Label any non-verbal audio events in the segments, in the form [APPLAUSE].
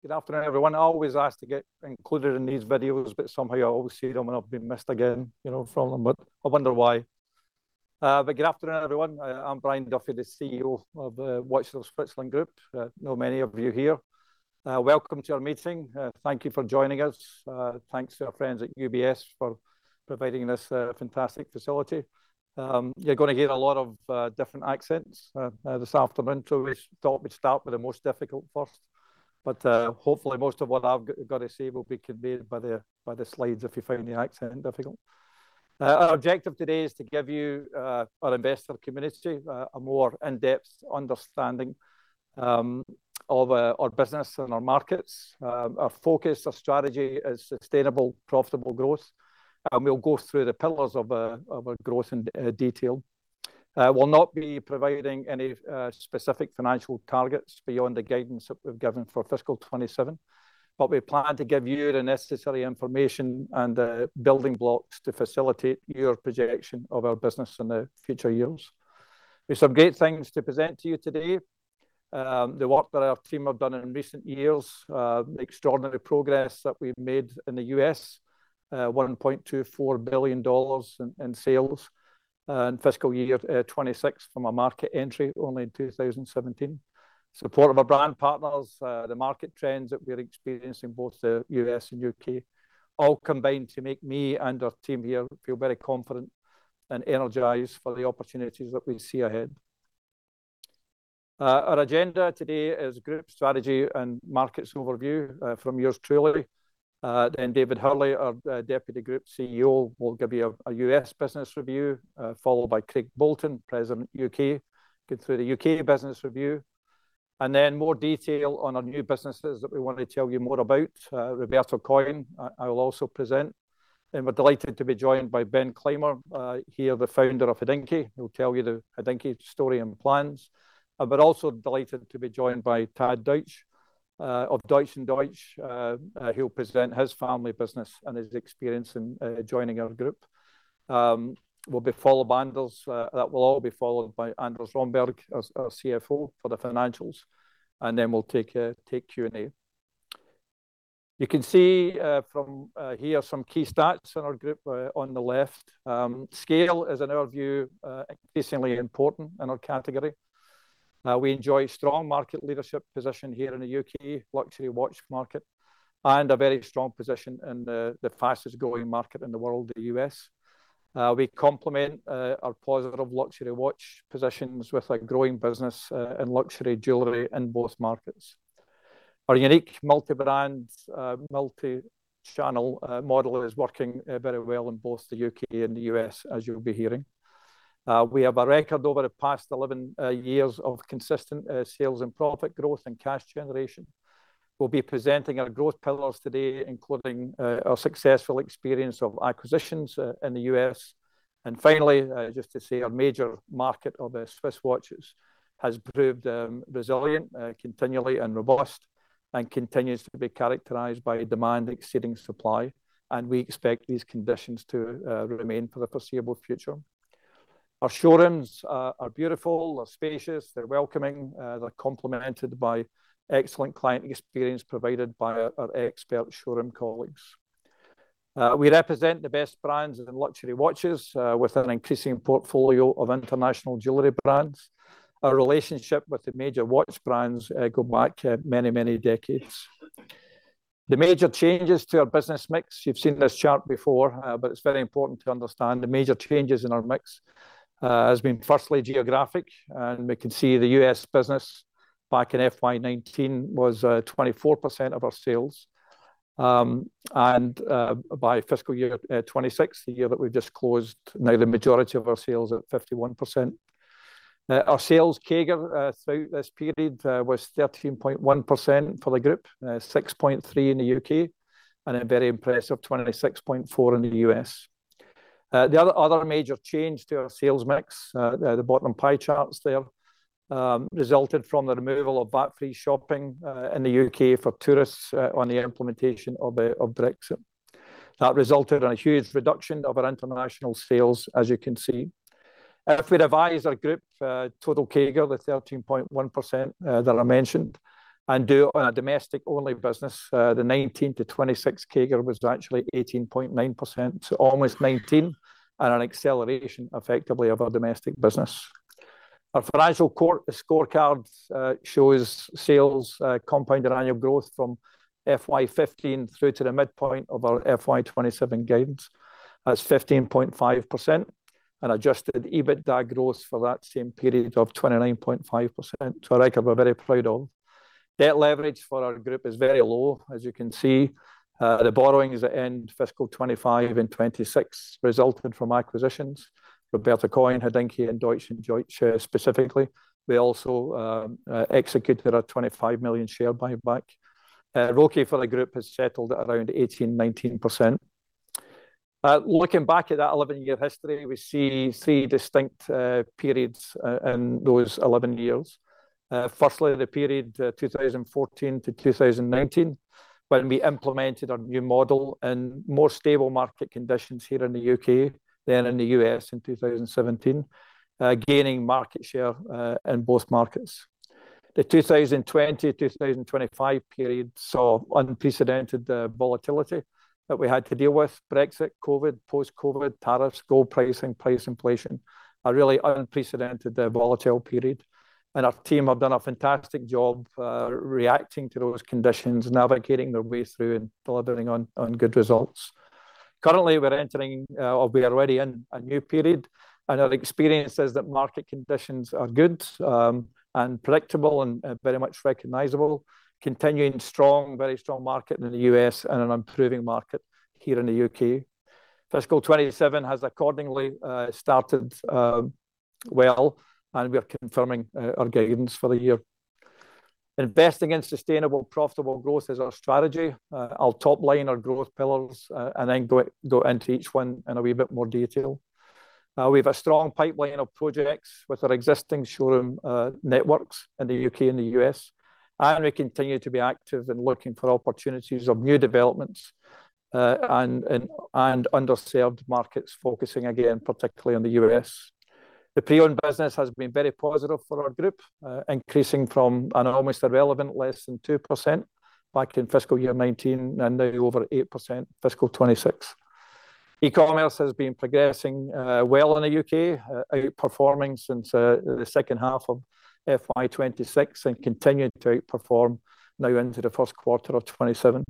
Good afternoon, everyone. I always ask to get included in these videos, but somehow I always see them and I've been missed again from them, I wonder why. Good afternoon, everyone. I'm Brian Duffy, the CEO of the Watches of Switzerland Group. I know many of you here. Welcome to our meeting. Thank you for joining us. Thanks to our friends at UBS for providing us a fantastic facility. You're going to hear a lot of different accents this afternoon, so we thought we'd start with the most difficult first, but hopefully, most of what I've got to say will be conveyed by the slides if you find the accent difficult. Our objective today is to give you, our investor community, a more in-depth understanding of our business and our markets. Our focus, our strategy is sustainable, profitable growth. We'll go through the pillars of our growth in detail. I will not be providing any specific financial targets beyond the guidance that we've given for fiscal 2027, but we plan to give you the necessary information and the building blocks to facilitate your projection of our business in the future years. We have some great things to present to you today. The work that our team have done in recent years, the extraordinary progress that we've made in the U.S., $1.24 billion in sales in FY 2026 from a market entry only in 2017. Support of our brand partners, the market trends that we're experiencing, both the U.S. and U.K., all combine to make me and our team here feel very confident and energized for the opportunities that we see ahead. Our agenda today is group strategy and markets overview from yours truly. David Hurley, our Deputy Group CEO, will give you a U.S. business review, followed by Craig Bolton, President U.K., go through the U.K. business review. More detail on our new businesses that we want to tell you more about, Roberto Coin, I will also present. We're delighted to be joined by Ben Clymer here, the Founder of Hodinkee, who will tell you the Hodinkee story and plans. Also delighted to be joined by Tad Deutsch of Deutsch & Deutsch. He'll present his family business and his experience in joining our group. That will all be followed by Anders Romberg, our CFO for the financials, and then we'll take Q&A. You can see from here some key stats in our group on the left. Scale is, in our view, increasingly important in our category. We enjoy strong market leadership position here in the U.K. luxury watch market and a very strong position in the fastest-growing market in the world, the U.S. We complement our positive luxury watch positions with a growing business in luxury jewelry in both markets. Our unique multi-brand, multi-channel model is working very well in both the U.K. and the U.S., as you'll be hearing. We have a record over the past 11 years of consistent sales and profit growth and cash generation. We'll be presenting our growth pillars today, including our successful experience of acquisitions in the U.S. Finally, just to say, our major market of Swiss watches has proved resilient continually and robust and continues to be characterized by demand exceeding supply, and we expect these conditions to remain for the foreseeable future. Our showrooms are beautiful, they're spacious, they're welcoming. They're complemented by excellent client experience provided by our expert showroom colleagues. We represent the best brands in luxury watches with an increasing portfolio of international jewelry brands. Our relationship with the major watch brands go back many, many decades. The major changes to our business mix, you've seen this chart before, but it's very important to understand the major changes in our mix has been firstly geographic. We can see the U.S. business back in FY 2019 was 24% of our sales. By fiscal year 2026, the year that we've just closed, now the majority of our sales are 51%. Our sales CAGR through this period was 13.1% for the group, 6.3% in the U.K., and a very impressive 26.4% in the U.S. The other major change to our sales mix, the bottom pie charts there, resulted from the removal of VAT-free shopping in the U.K. for tourists on the implementation of Brexit. That resulted in a huge reduction of our international sales, as you can see. If we revise our group total CAGR, the 13.1% that I mentioned, and do it on a domestic-only business, the 2019-2026 CAGR was actually 18.9%, so almost 19%, and an acceleration effectively of our domestic business. Our financial scorecard shows sales compounded annual growth from FY 2015 through to the midpoint of our FY 2027 guidance. That's 15.5%, an adjusted EBITDA growth for that same period of 29.5%, so a record we're very proud of. Debt leverage for our group is very low, as you can see. The borrowings at end fiscal 2025 and 2026 resulted from acquisitions, Roberto Coin, Hodinkee, and Deutsch & Deutsch specifically. We also executed our 25 million share buyback. ROCE for the group has settled at around 18%-19%. Looking back at that 11-year history, we see three distinct periods in those 11 years. Firstly, the period 2014-2019 when we implemented our new model in more stable market conditions here in the U.K. than in the U.S. in 2017, gaining market share in both markets. The 2020-2025 period saw unprecedented volatility that we had to deal with Brexit, COVID, post-COVID, tariffs, gold pricing, price inflation, a really unprecedented volatile period. Our team have done a fantastic job reacting to those conditions, navigating their way through and delivering on good results. Currently, we're entering, or we're already in a new period. Our experience is that market conditions are good and predictable and very much recognizable. Continuing strong, very strong market in the U.S. and an improving market here in the U.K. Fiscal 2027 has accordingly started well. We are confirming our guidance for the year. Investing in sustainable, profitable growth is our strategy. I'll top line our growth pillars, then go into each one in a wee bit more detail. We've a strong pipeline of projects with our existing showroom networks in the U.K. and the U.S. We continue to be active in looking for opportunities of new developments, and underserved markets, focusing again, particularly on the U.S. The pre-owned business has been very positive for our group, increasing from an almost irrelevant less than 2% back in fiscal year 2019, now over 8% fiscal 2026. E-commerce has been progressing well in the U.K., outperforming since the second half of FY 2026 and continuing to outperform now into the first quarter of 2027.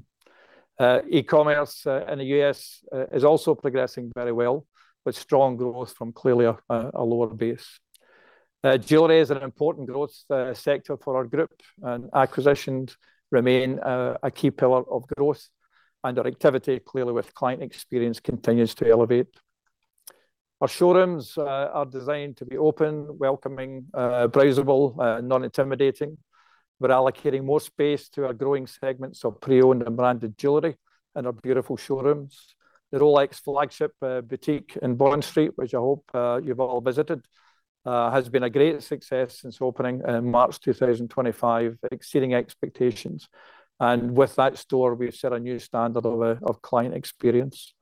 E-commerce in the U.S. is also progressing very well, with strong growth from clearly a lower base. Jewelry is an important growth sector for our group, and acquisitions remain a key pillar of growth and our activity clearly with client experience continues to elevate. Our showrooms are designed to be open, welcoming, browsable, non-intimidating. We're allocating more space to our growing segments of pre-owned and branded jewelry in our beautiful showrooms. The Rolex flagship boutique in Bond Street, which I hope you've all visited, has been a great success since opening in March 2025, exceeding expectations. With that store, we've set a new standard of client experience.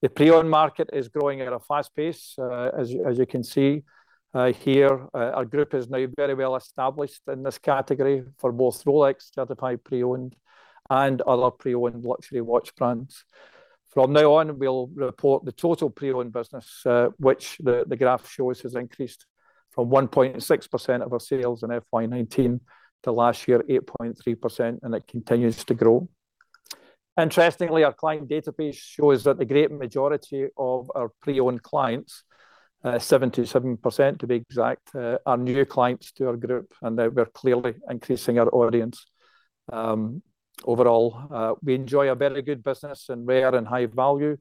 The pre-owned market is growing at a fast pace, as you can see here. Our group is now very well established in this category for both Rolex Certified Pre-Owned and other pre-owned luxury watch brands. From now on, we'll report the total pre-owned business, which the graph shows has increased from 1.6% of our sales in FY 2019 to last year, 8.3%, and it continues to grow. Interestingly, our client database shows that the great majority of our pre-owned clients, 77% to be exact, are new clients to our group, and that we're clearly increasing our audience. Overall, we enjoy a very good business in rare and high-value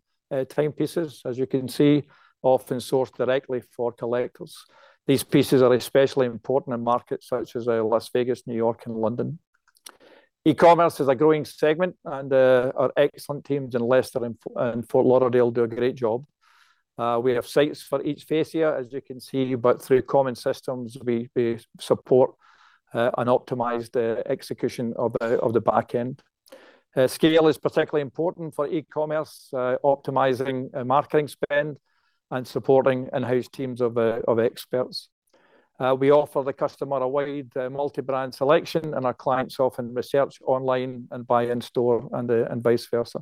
timepieces, as you can see, often sourced directly for collectors. These pieces are especially important in markets such as Las Vegas, New York, and London. E-commerce is a growing segment, and our excellent teams in Leicester and Fort Lauderdale do a great job. We have sites for each fascia, as you can see, but through common systems, we support and optimize the execution of the back end. Scale is particularly important for e-commerce, optimizing marketing spend, and supporting in-house teams of experts. We offer the customer a wide multi-brand selection, and our clients often research online and buy in store and vice versa.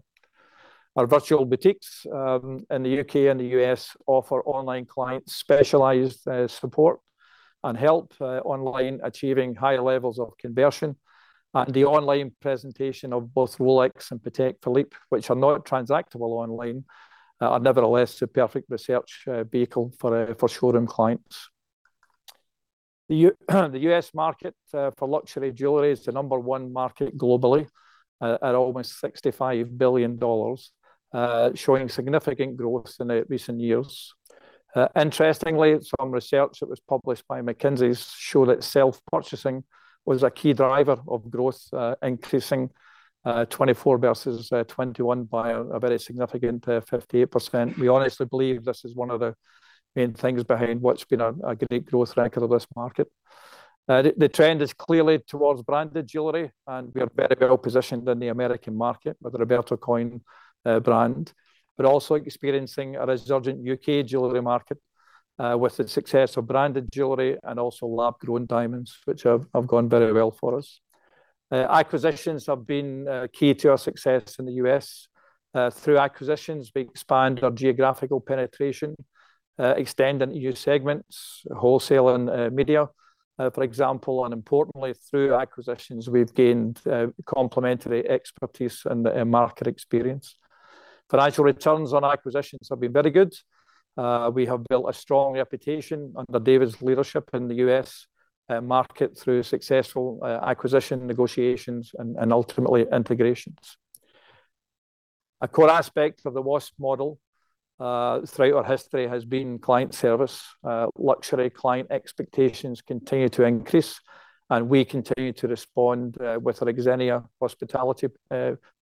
Our virtual boutiques in the U.K. and the U.S. offer online clients specialized support and help online achieving high levels of conversion. The online presentation of both Rolex and Patek Philippe, which are not transactable online, are nevertheless a perfect research vehicle for showroom clients. The U.S. market for luxury jewelry is the number one market globally at almost $65 billion, showing significant growth in recent years. Interestingly, some research that was published by McKinsey showed that self-purchasing was a key driver of growth, increasing 2024 versus 2021 by a very significant 58%. We honestly believe this is one of the main things behind what's been a great growth record of this market. The trend is clearly towards branded jewelry, and we are very well positioned in the American market with the Roberto Coin brand. We're also experiencing a resurgent U.K. jewelry market, with the success of branded jewelry and also lab-grown diamonds, which have gone very well for us. Acquisitions have been key to our success in the U.S. Through acquisitions, we expand our geographical penetration, extend into new segments, wholesale and media, for example. Importantly, through acquisitions, we've gained complementary expertise and market experience. Financial returns on acquisitions have been very good. We have built a strong reputation under David's leadership in the U.S. market through successful acquisition negotiations and ultimately integrations. A core aspect of the Watch model throughout our history has been client service. Luxury client expectations continue to increase, and we continue to respond with our Xenia Hospitality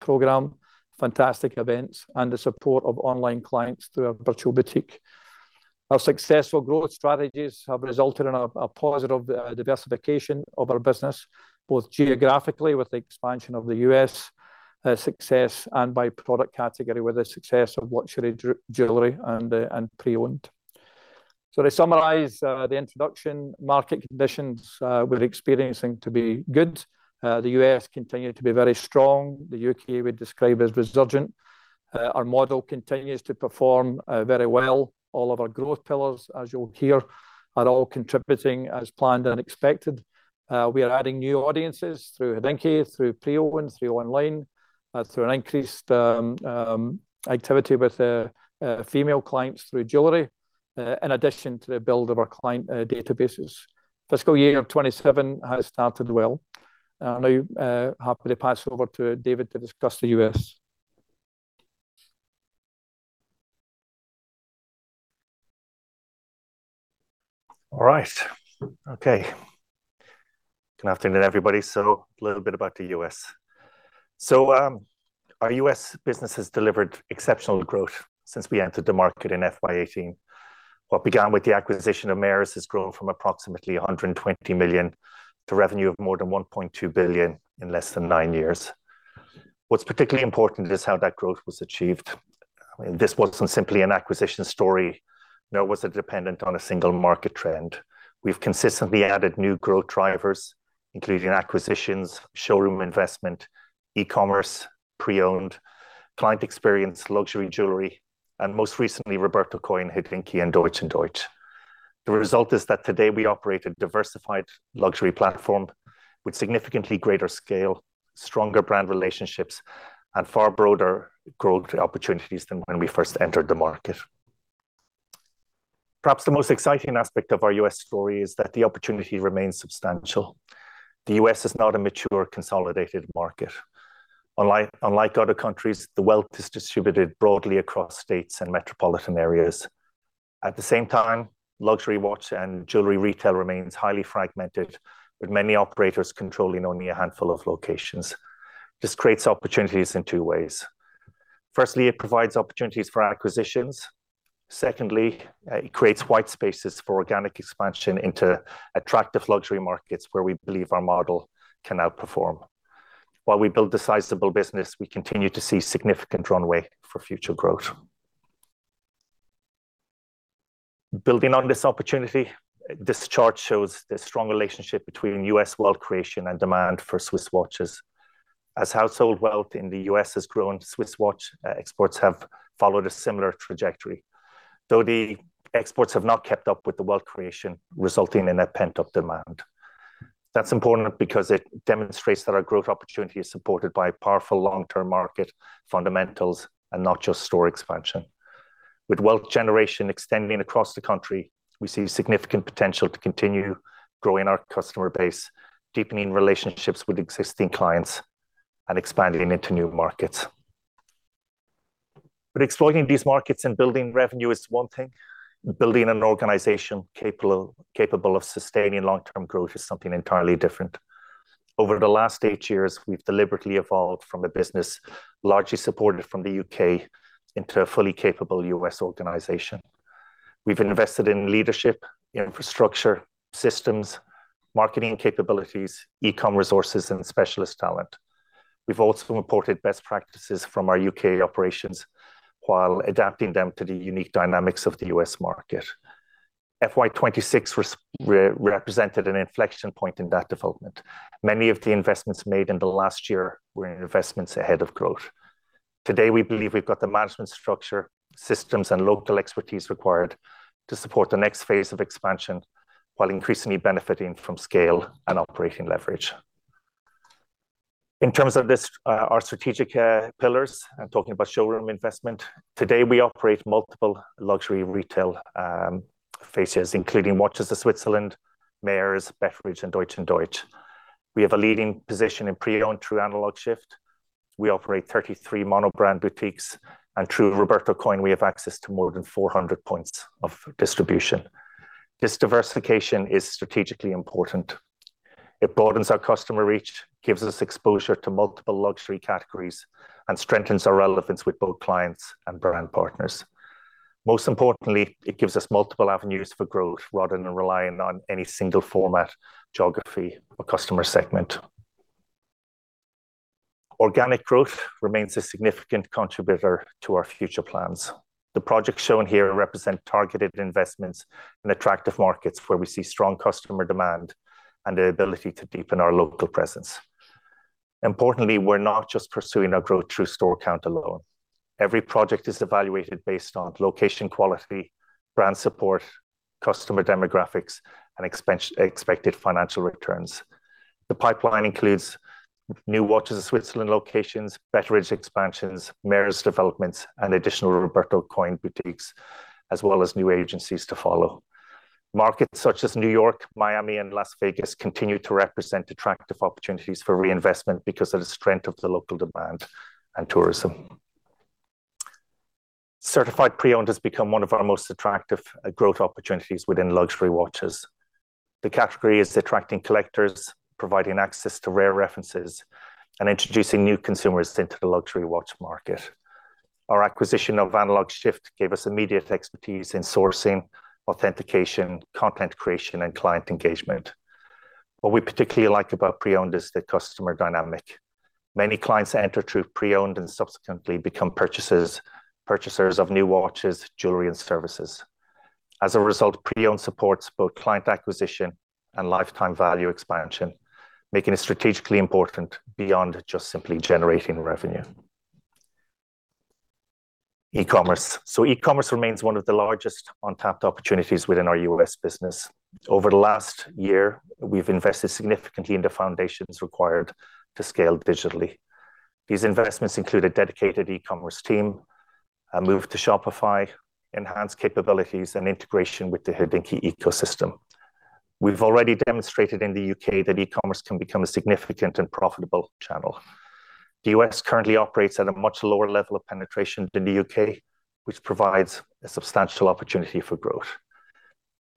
program, fantastic events, and the support of online clients through our virtual boutique. Our successful growth strategies have resulted in a positive diversification of our business, both geographically with the expansion of the U.S. success and by product category with the success of luxury jewelry and pre-owned. To summarize the introduction, market conditions we're experiencing to be good. The U.S. continued to be very strong. The U.K. we describe as resurgent. Our model continues to perform very well. All of our growth pillars, as you'll hear, are all contributing as planned and expected. We are adding new audiences through Hodinkee, through pre-owned, through online, through an increased activity with female clients through jewelry, in addition to the build of our client databases. Fiscal year of 2027 has started well. I'll now happily pass over to David to discuss the U.S. All right. Okay. Good afternoon, everybody. A little bit about the U.S. Our U.S. business has delivered exceptional growth since we entered the market in FY 2018. What began with the acquisition of Mayors has grown from approximately $120 million to revenue of more than $1.2 billion in less than nine years. What's particularly important is how that growth was achieved. I mean, this wasn't simply an acquisition story, nor was it dependent on a single market trend. We've consistently added new growth drivers, including acquisitions, showroom investment, e-commerce, pre-owned, client experience, luxury jewelry, and most recently, Roberto Coin, Hodinkee, and Deutsch & Deutsch. The result is that today we operate a diversified luxury platform with significantly greater scale, stronger brand relationships, and far broader growth opportunities than when we first entered the market. Perhaps the most exciting aspect of our U.S. story is that the opportunity remains substantial. The U.S. is not a mature, consolidated market. Unlike other countries, the wealth is distributed broadly across states and metropolitan areas. At the same time, luxury watch and jewelry retail remains highly fragmented, with many operators controlling only a handful of locations. This creates opportunities in two ways. Firstly, it provides opportunities for acquisitions. Secondly, it creates white spaces for organic expansion into attractive luxury markets where we believe our model can outperform. While we build a sizable business, we continue to see significant runway for future growth. Building on this opportunity, this chart shows the strong relationship between U.S. wealth creation and demand for Swiss watches. As household wealth in the U.S. has grown, Swiss watch exports have followed a similar trajectory. Though the exports have not kept up with the wealth creation, resulting in a pent-up demand. That's important because it demonstrates that our growth opportunity is supported by powerful long-term market fundamentals and not just store expansion. With wealth generation extending across the country, we see significant potential to continue growing our customer base, deepening relationships with existing clients, and expanding into new markets. Exploiting these markets and building revenue is one thing. Building an organization capable of sustaining long-term growth is something entirely different. Over the last eight years, we've deliberately evolved from a business largely supported from the U.K. into a fully capable U.S. organization. We've invested in leadership, infrastructure, systems, marketing capabilities, e-commerce resources, and specialist talent. We've also imported best practices from our U.K. operations while adapting them to the unique dynamics of the U.S. market. FY 2026 represented an inflection point in that development. Many of the investments made in the last year were investments ahead of growth. Today, we believe we've got the management structure, systems, and local expertise required to support the next phase of expansion, while increasingly benefiting from scale and operating leverage. In terms of our strategic pillars and talking about showroom investment, today we operate multiple luxury retail faces, including Watches of Switzerland, Mayors, Betteridge, and Deutsch & Deutsch. We have a leading position in pre-owned through Analog:Shift. We operate 33 monobrand boutiques, and through Roberto Coin, we have access to more than 400 points of distribution. This diversification is strategically important. It broadens our customer reach, gives us exposure to multiple luxury categories, and strengthens our relevance with both clients and brand partners. Most importantly, it gives us multiple avenues for growth rather than relying on any single format, geography, or customer segment. Organic growth remains a significant contributor to our future plans. The projects shown here represent targeted investments in attractive markets where we see strong customer demand and the ability to deepen our local presence. Importantly, we're not just pursuing our growth through store count alone. Every project is evaluated based on location quality, brand support, customer demographics, and expected financial returns. The pipeline includes new Watches of Switzerland locations, Betteridge expansions, Mayors developments, and additional Roberto Coin boutiques, as well as new agencies to follow. Markets such as New York, Miami, and Las Vegas continue to represent attractive opportunities for reinvestment because of the strength of the local demand and tourism. Certified pre-owned has become one of our most attractive growth opportunities within luxury watches. The category is attracting collectors, providing access to rare references, and introducing new consumers into the luxury watch market. Our acquisition of Analog:Shift gave us immediate expertise in sourcing, authentication, content creation, and client engagement. What we particularly like about pre-owned is the customer dynamic. Many clients enter through pre-owned and subsequently become purchasers of new watches, jewelry, and services. As a result, pre-owned supports both client acquisition and lifetime value expansion, making it strategically important beyond just simply generating revenue. E-commerce. E-commerce remains one of the largest untapped opportunities within our U.S. business. Over the last year, we've invested significantly in the foundations required to scale digitally. These investments include a dedicated e-commerce team, a move to Shopify, enhanced capabilities, and integration with the Hodinkee ecosystem. We've already demonstrated in the U.K. that e-commerce can become a significant and profitable channel. The U.S. currently operates at a much lower level of penetration than the U.K., which provides a substantial opportunity for growth.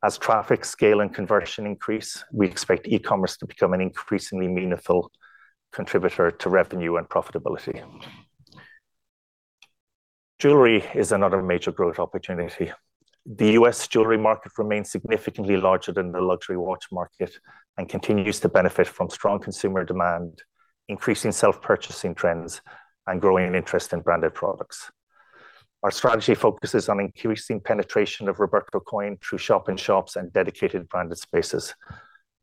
As traffic scale and conversion increase, we expect e-commerce to become an increasingly meaningful contributor to revenue and profitability. Jewelry is another major growth opportunity. The U.S. jewelry market remains significantly larger than the luxury watch market and continues to benefit from strong consumer demand, increasing self-purchasing trends, and growing interest in branded products. Our strategy focuses on increasing penetration of Roberto Coin through shop-in-shops and dedicated branded spaces.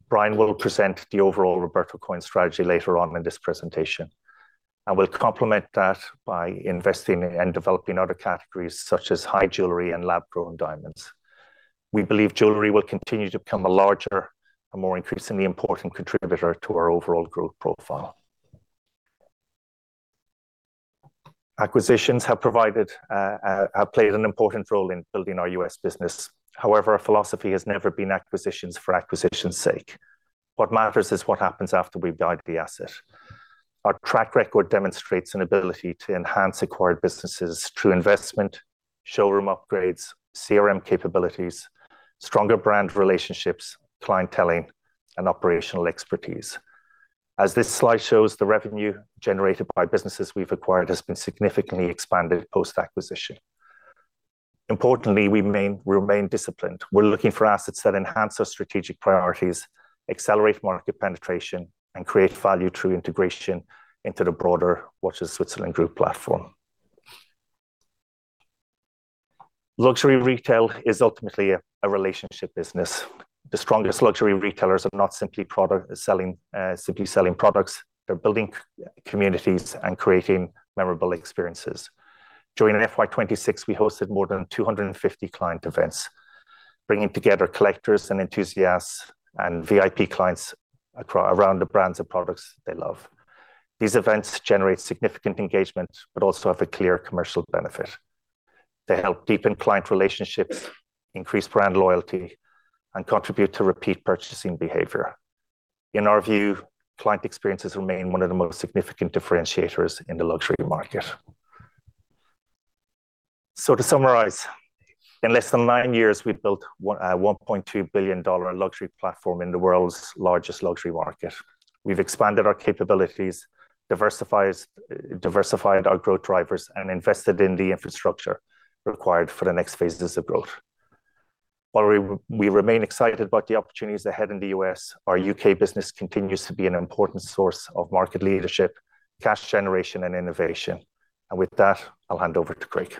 Brian will present the overall Roberto Coin strategy later on in this presentation. We'll complement that by investing in and developing other categories such as high jewelry and lab-grown diamonds. We believe jewelry will continue to become a larger and more increasingly important contributor to our overall growth profile. Acquisitions have played an important role in building our U.S. business. However, our philosophy has never been acquisitions for acquisitions' sake. What matters is what happens after we've got the asset. Our track record demonstrates an ability to enhance acquired businesses through investment, showroom upgrades, CRM capabilities, stronger brand relationships, clienteling, and operational expertise. As this slide shows, the revenue generated by businesses we've acquired has been significantly expanded post-acquisition. Importantly, we remain disciplined. We're looking for assets that enhance our strategic priorities, accelerate market penetration, and create value through integration into the broader Watches of Switzerland Group platform. Luxury retail is ultimately a relationship business. The strongest luxury retailers are not simply selling products, they're building communities and creating memorable experiences. During FY 2026, we hosted more than 250 client events, bringing together collectors and enthusiasts and VIP clients around the brands of products they love. These events generate significant engagement, but also have a clear commercial benefit. They help deepen client relationships, increase brand loyalty, and contribute to repeat purchasing behavior. In our view, client experiences remain one of the most significant differentiators in the luxury market. To summarize, in less than nine years, we've built a $1.2 billion luxury platform in the world's largest luxury market. We've expanded our capabilities, diversified our growth drivers, and invested in the infrastructure required for the next phases of growth. While we remain excited about the opportunities ahead in the U.S., our U.K. business continues to be an important source of market leadership, cash generation, and innovation. With that, I'll hand over to Craig.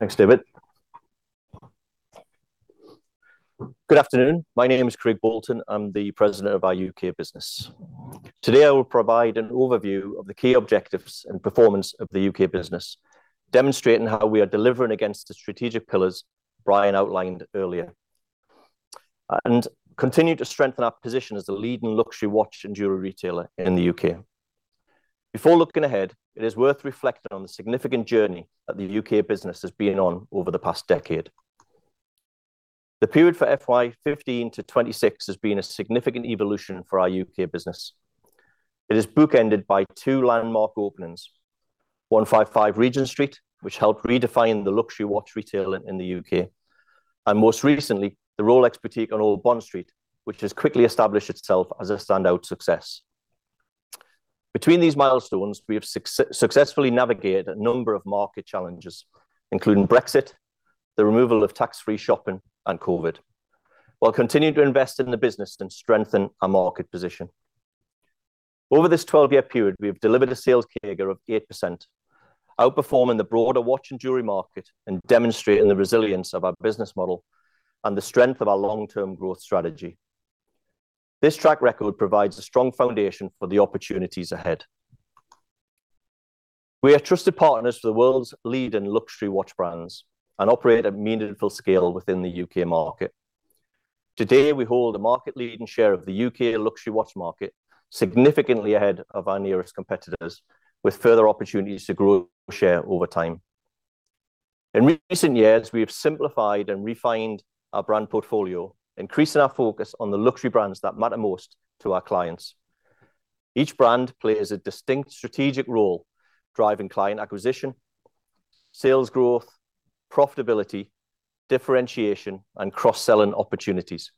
Thanks, David. Good afternoon. My name is Craig Bolton. I'm the President of our U.K. business. Today, I will provide an overview of the key objectives and performance of the U.K. business, demonstrating how we are delivering against the strategic pillars Brian outlined earlier, and continue to strengthen our position as the leading luxury watch and jewelry retailer in the U.K. Before looking ahead, it is worth reflecting on the significant journey that the U.K. business has been on over the past decade. The period for FY 2015 to 2026 has been a significant evolution for our U.K. business. It is bookended by two landmark openings, 155 Regent Street, which helped redefine the luxury watch retail in the U.K., and most recently, the Rolex boutique on Old Bond Street, which has quickly established itself as a standout success. Between these milestones, we have successfully navigated a number of market challenges, including Brexit, the removal of VAT-free shopping, and COVID, while continuing to invest in the business and strengthen our market position. Over this 12-year period, we have delivered a sales CAGR of 8%, outperforming the broader watch and jewelry market and demonstrating the resilience of our business model and the strength of our long-term growth strategy. This track record provides a strong foundation for the opportunities ahead. We are trusted partners for the world's leading luxury watch brands and operate at a meaningful scale within the U.K. market. Today, we hold a market-leading share of the U.K. luxury watch market, significantly ahead of our nearest competitors, with further opportunities to grow share over time. In recent years, we have simplified and refined our brand portfolio, increasing our focus on the luxury brands that matter most to our clients. Each brand plays a distinct strategic role driving client acquisition, sales growth, profitability, differentiation, and cross-selling opportunities.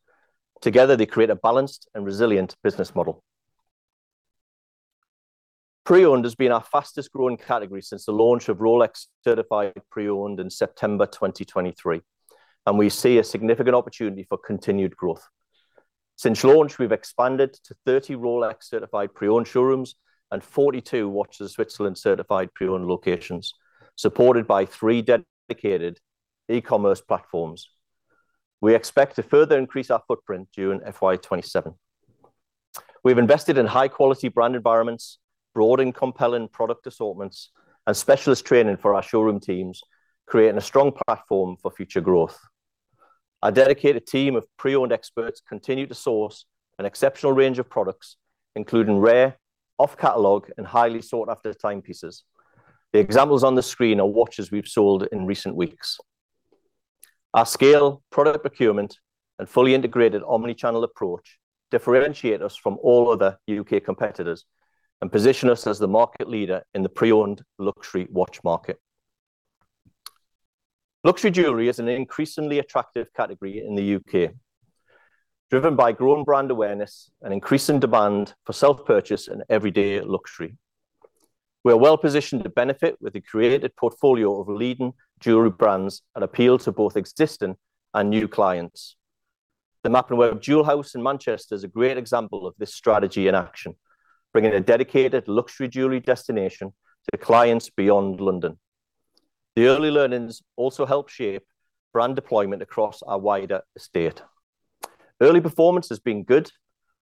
Together, they create a balanced and resilient business model. Pre-owned has been our fastest-growing category since the launch of Rolex Certified Pre-Owned in September 2023, and we see a significant opportunity for continued growth. Since launch, we've expanded to 30 Rolex Certified Pre-Owned showrooms and 42 Watches of Switzerland Certified Pre-Owned locations, supported by three dedicated e-commerce platforms. We expect to further increase our footprint during FY 2027. We've invested in high-quality brand environments, broad and compelling product assortments, and specialist training for our showroom teams, creating a strong platform for future growth. Our dedicated team of pre-owned experts continue to source an exceptional range of products, including rare, off-catalog, and highly sought-after timepieces. The examples on the screen are watches we've sold in recent weeks. Our scale, product procurement, and fully integrated omnichannel approach differentiate us from all other U.K. competitors and position us as the market leader in the pre-owned luxury watch market. Luxury jewelry is an increasingly attractive category in the U.K., driven by growing brand awareness and increasing demand for self-purchase and everyday luxury. We are well-positioned to benefit with the curated portfolio of leading jewelry brands that appeal to both existing and new clients. The Mappin & Webb Jewel House in Manchester is a great example of this strategy in action, bringing a dedicated luxury jewelry destination to clients beyond London. The early learnings also help shape brand deployment across our wider estate. Early performance has been good,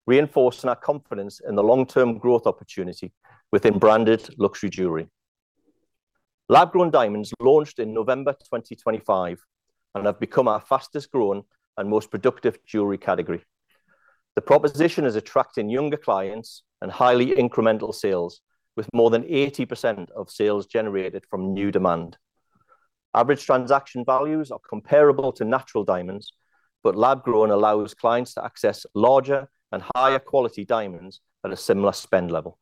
reinforcing our confidence in the long-term growth opportunity within branded luxury jewelry. Lab-grown diamonds launched in November 2025 and have become our fastest-growing and most productive jewelry category. The proposition is attracting younger clients and highly incremental sales, with more than 80% of sales generated from new demand. Average transaction values are comparable to natural diamonds, but lab-grown allows clients to access larger and higher-quality diamonds at a similar spend level.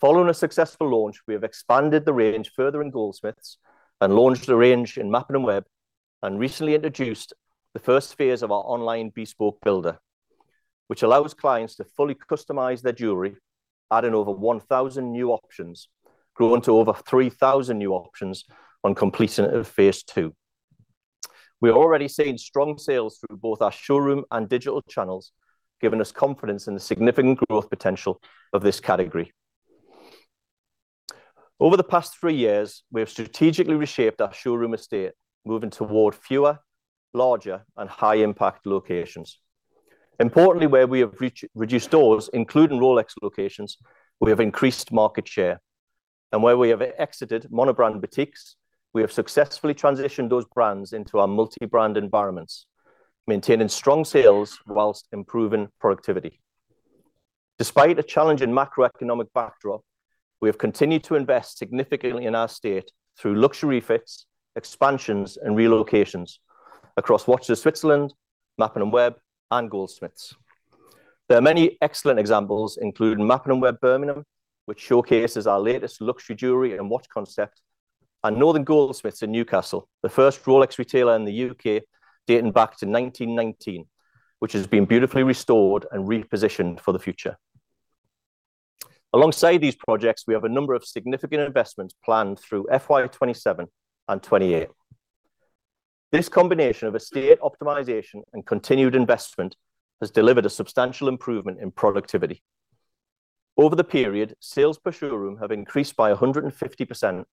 Following a successful launch, we have expanded the range further in Goldsmiths and launched the range in Mappin & Webb and recently introduced the first phase of our online bespoke builder, which allows clients to fully customize their jewelry, adding over 1,000 new options, growing to over 3,000 new options on completion of phase two. We are already seeing strong sales through both our showroom and digital channels, giving us confidence in the significant growth potential of this category. Over the past three years, we have strategically reshaped our showroom estate, moving toward fewer, larger, and high-impact locations. Importantly, where we have reduced stores, including Rolex locations, we have increased market share. Where we have exited mono-brand boutiques, we have successfully transitioned those brands into our multi-brand environments, maintaining strong sales whilst improving productivity. Despite a challenging macroeconomic backdrop, we have continued to invest significantly in our estate through luxury fits, expansions, and relocations across Watches of Switzerland, Mappin & Webb, and Goldsmiths. There are many excellent examples, including Mappin & Webb Birmingham, which showcases our latest luxury jewelry and watch concept, and Northern Goldsmiths in Newcastle, the first Rolex retailer in the U.K. dating back to 1919, which has been beautifully restored and repositioned for the future. Alongside these projects, we have a number of significant investments planned through FY 2027 and 2028. This combination of estate optimization and continued investment has delivered a substantial improvement in productivity. Over the period, sales per showroom have increased by 150%,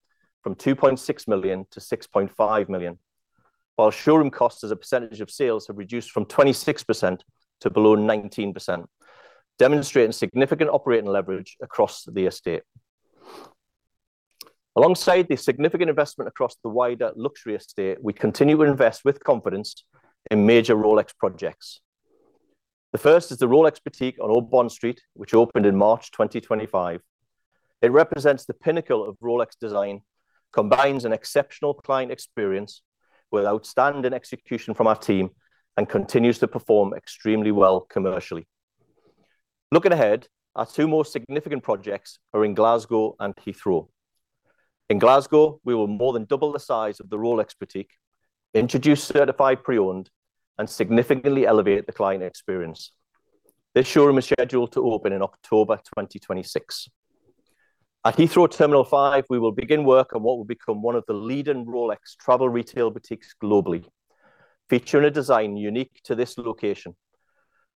from 2.6 million to 6.5 million, while showroom costs as a percentage of sales have reduced from 26% to below 19%, demonstrating significant operating leverage across the estate. Alongside the significant investment across the wider luxury estate, we continue to invest with confidence in major Rolex projects. The first is the Rolex Boutique on Old Bond Street, which opened in March 2025. It represents the pinnacle of Rolex design, combines an exceptional client experience with outstanding execution from our team, and continues to perform extremely well commercially. Looking ahead, our two more significant projects are in Glasgow and Heathrow. In Glasgow, we will more than double the size of the Rolex Boutique, introduce certified pre-owned, and significantly elevate the client experience. This showroom is scheduled to open in October 2026. At Heathrow Terminal 5, we will begin work on what will become one of the leading Rolex travel retail boutiques globally, featuring a design unique to this location.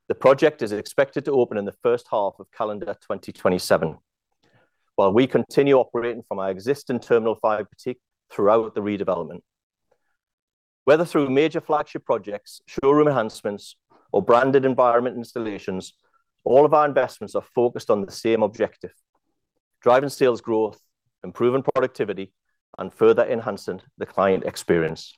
The project is expected to open in the first half of calendar 2027, while we continue operating from our existing Terminal 5 boutique throughout the redevelopment. Whether through major flagship projects, showroom enhancements, or branded environment installations, all of our investments are focused on the same objective, driving sales growth, improving productivity, and further enhancing the client experience.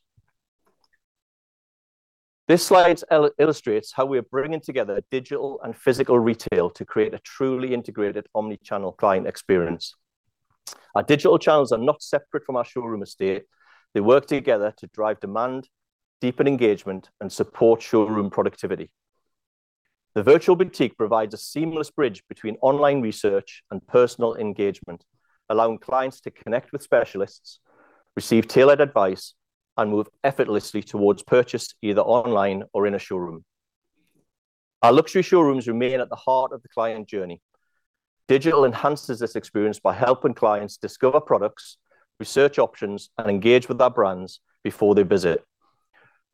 This slide illustrates how we are bringing together digital and physical retail to create a truly integrated omnichannel client experience. Our digital channels are not separate from our showroom estate. They work together to drive demand, deepen engagement, and support showroom productivity. The virtual boutique provides a seamless bridge between online research and personal engagement, allowing clients to connect with specialists, receive tailored advice, and move effortlessly towards purchase either online or in a showroom. Our luxury showrooms remain at the heart of the client journey. Digital enhances this experience by helping clients discover products, research options, and engage with our brands before they visit,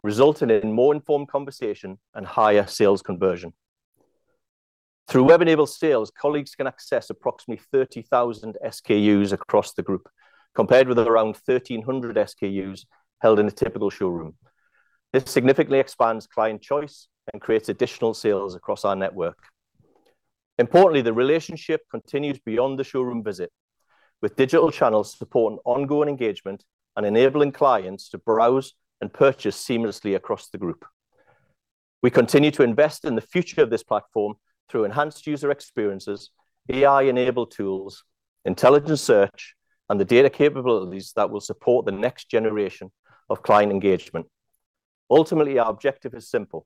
resulting in more informed conversation and higher sales conversion. Through web-enabled sales, colleagues can access approximately 30,000 SKUs across the group, compared with around 1,300 SKUs held in a typical showroom. This significantly expands client choice and creates additional sales across our network. Importantly, the relationship continues beyond the showroom visit, with digital channels supporting ongoing engagement and enabling clients to browse and purchase seamlessly across the group. We continue to invest in the future of this platform through enhanced user experiences, AI-enabled tools, intelligent search, and the data capabilities that will support the next generation of client engagement. Ultimately, our objective is simple.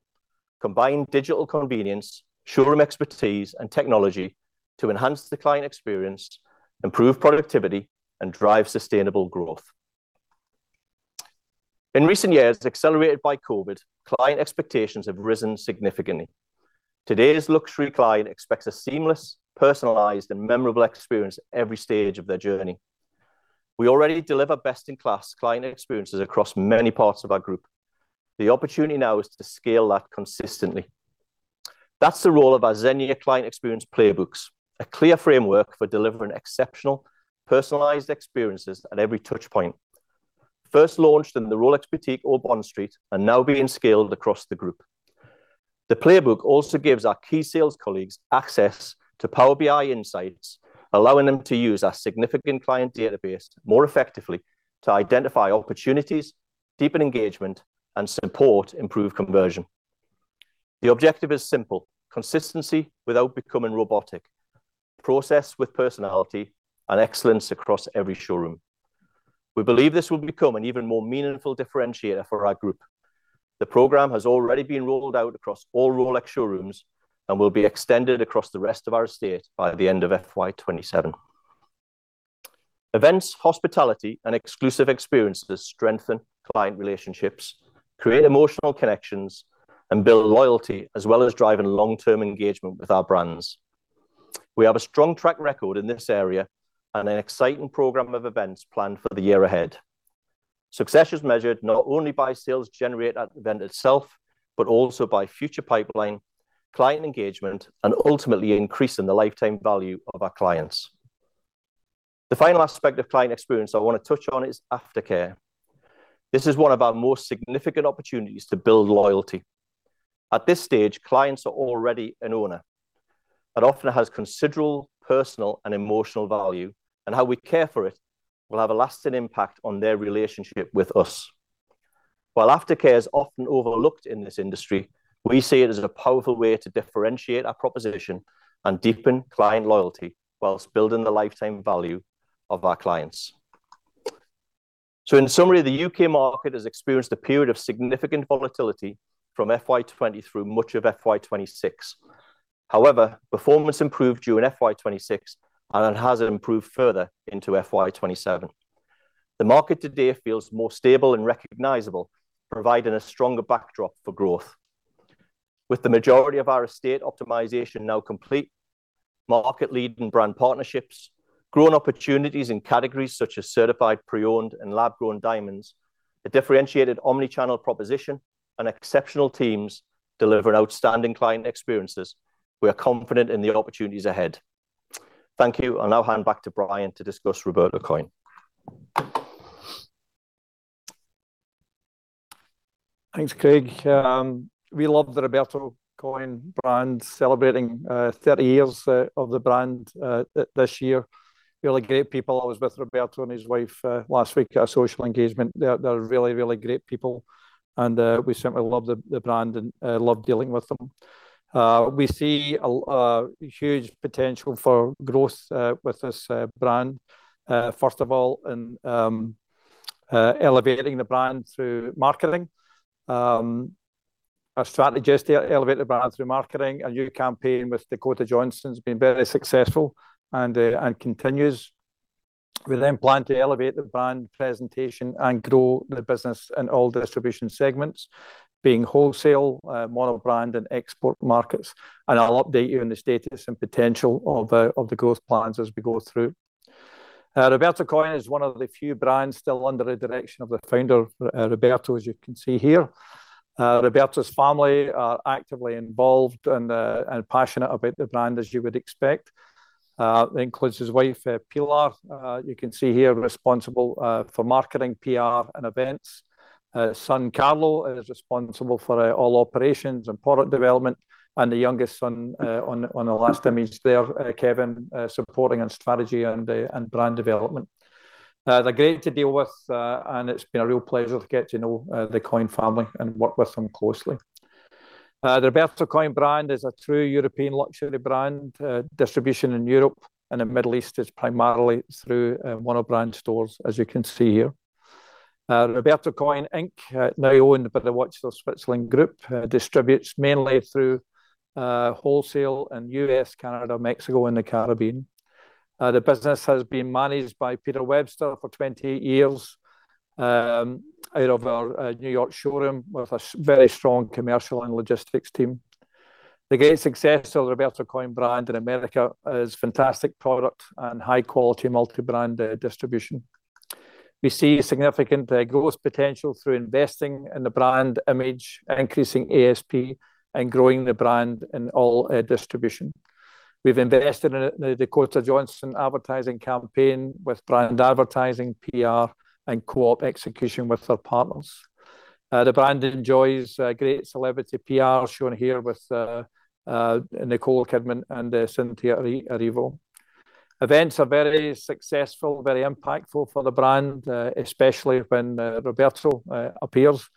Combine digital convenience, showroom expertise, and technology to enhance the client experience, improve productivity, and drive sustainable growth. In recent years, accelerated by COVID, client expectations have risen significantly. Today's luxury client expects a seamless, personalized, and memorable experience every stage of their journey. We already deliver best-in-class client experiences across many parts of our group. The opportunity now is to scale that consistently. That's the role of our Xenia client experience playbooks, a clear framework for delivering exceptional, personalized experiences at every touch point. First launched in the Rolex boutique on Bond Street, and now being scaled across the group. The playbook also gives our key sales colleagues access to Power BI insights, allowing them to use our significant client database more effectively to identify opportunities, deepen engagement, and support improved conversion. The objective is simple: consistency without becoming robotic, process with personality, and excellence across every showroom. We believe this will become an even more meaningful differentiator for our group. The program has already been rolled out across all Rolex showrooms and will be extended across the rest of our estate by the end of FY 2027. Events, hospitality, and exclusive experiences strengthen client relationships, create emotional connections, and build loyalty as well as driving long-term engagement with our brands. We have a strong track record in this area and an exciting program of events planned for the year ahead. Success is measured not only by sales generated at the event itself, but also by future pipeline, client engagement, and ultimately increasing the lifetime value of our clients. The final aspect of client experience I want to touch on is aftercare. This is one of our more significant opportunities to build loyalty. At this stage, clients are already an owner, that often has considerable personal and emotional value, and how we care for it will have a lasting impact on their relationship with us. While aftercare is often overlooked in this industry, we see it as a powerful way to differentiate our proposition and deepen client loyalty whilst building the lifetime value of our clients. In summary, the U.K. market has experienced a period of significant volatility from FY 2020 through much of FY 2026. However, performance improved during FY 2026 and that has improved further into FY 2027. The market today feels more stable and recognizable, providing a stronger backdrop for growth. With the majority of our estate optimization now complete, market-leading brand partnerships, growing opportunities in categories such as certified pre-owned and lab-grown diamonds, a differentiated omnichannel proposition, and exceptional teams deliver outstanding client experiences, we are confident in the opportunities ahead. Thank you. I'll now hand back to Brian to discuss Roberto Coin. Thanks, Craig. We love the Roberto Coin brand, celebrating 30 years of the brand this year. Really great people. I was with Roberto and his wife last week at a social engagement. They're really, really great people, and we certainly love the brand and love dealing with them. We see a huge potential for growth with this brand. First of all, in elevating the brand through marketing. Our strategy is to elevate the brand through marketing. A new campaign with Dakota Johnson's been very successful and continues. We then plan to elevate the brand presentation and grow the business in all distribution segments, being wholesale, mono-brand, and export markets. I'll update you on the status and potential of the growth plans as we go through. Roberto Coin is one of the few brands still under the direction of the founder, Roberto, as you can see here. Roberto's family are actively involved and are passionate about the brand, as you would expect. Includes his wife, Pilar, you can see here, responsible for marketing, PR, and events. Son Carlo is responsible for all operations and product development. The youngest son on the last image there, Kevin, supporting on strategy and brand development. They're great to deal with, and it's been a real pleasure to get to know the Coin family and work with them closely. The Roberto Coin brand is a true European luxury brand. Distribution in Europe and the Middle East is primarily through mono-brand stores, as you can see here. Roberto Coin Inc now owned by the Watches of Switzerland Group, distributes mainly through wholesale in U.S., Canada, Mexico, and the Caribbean. The business has been managed by Peter Webster for 28 years out of our New York showroom, with a very strong commercial and logistics team. The great success of the Roberto Coin brand in America is fantastic product and high-quality multi-brand distribution. We see significant growth potential through investing in the brand image, increasing ASP, and growing the brand in all distribution. We've invested in the Dakota Johnson advertising campaign with brand advertising, PR, and co-op execution with our partners. The brand enjoys great celebrity PR, shown here with Nicole Kidman and Cynthia Erivo. Events are very successful, very impactful for the brand, especially when Roberto appears,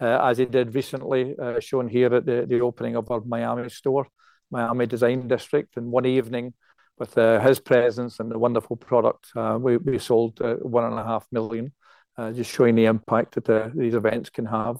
as he did recently, shown here at the opening of our Miami store, Miami Design District. In one evening, with his presence and the wonderful product, we sold 1.5 million, just showing the impact that these events can have.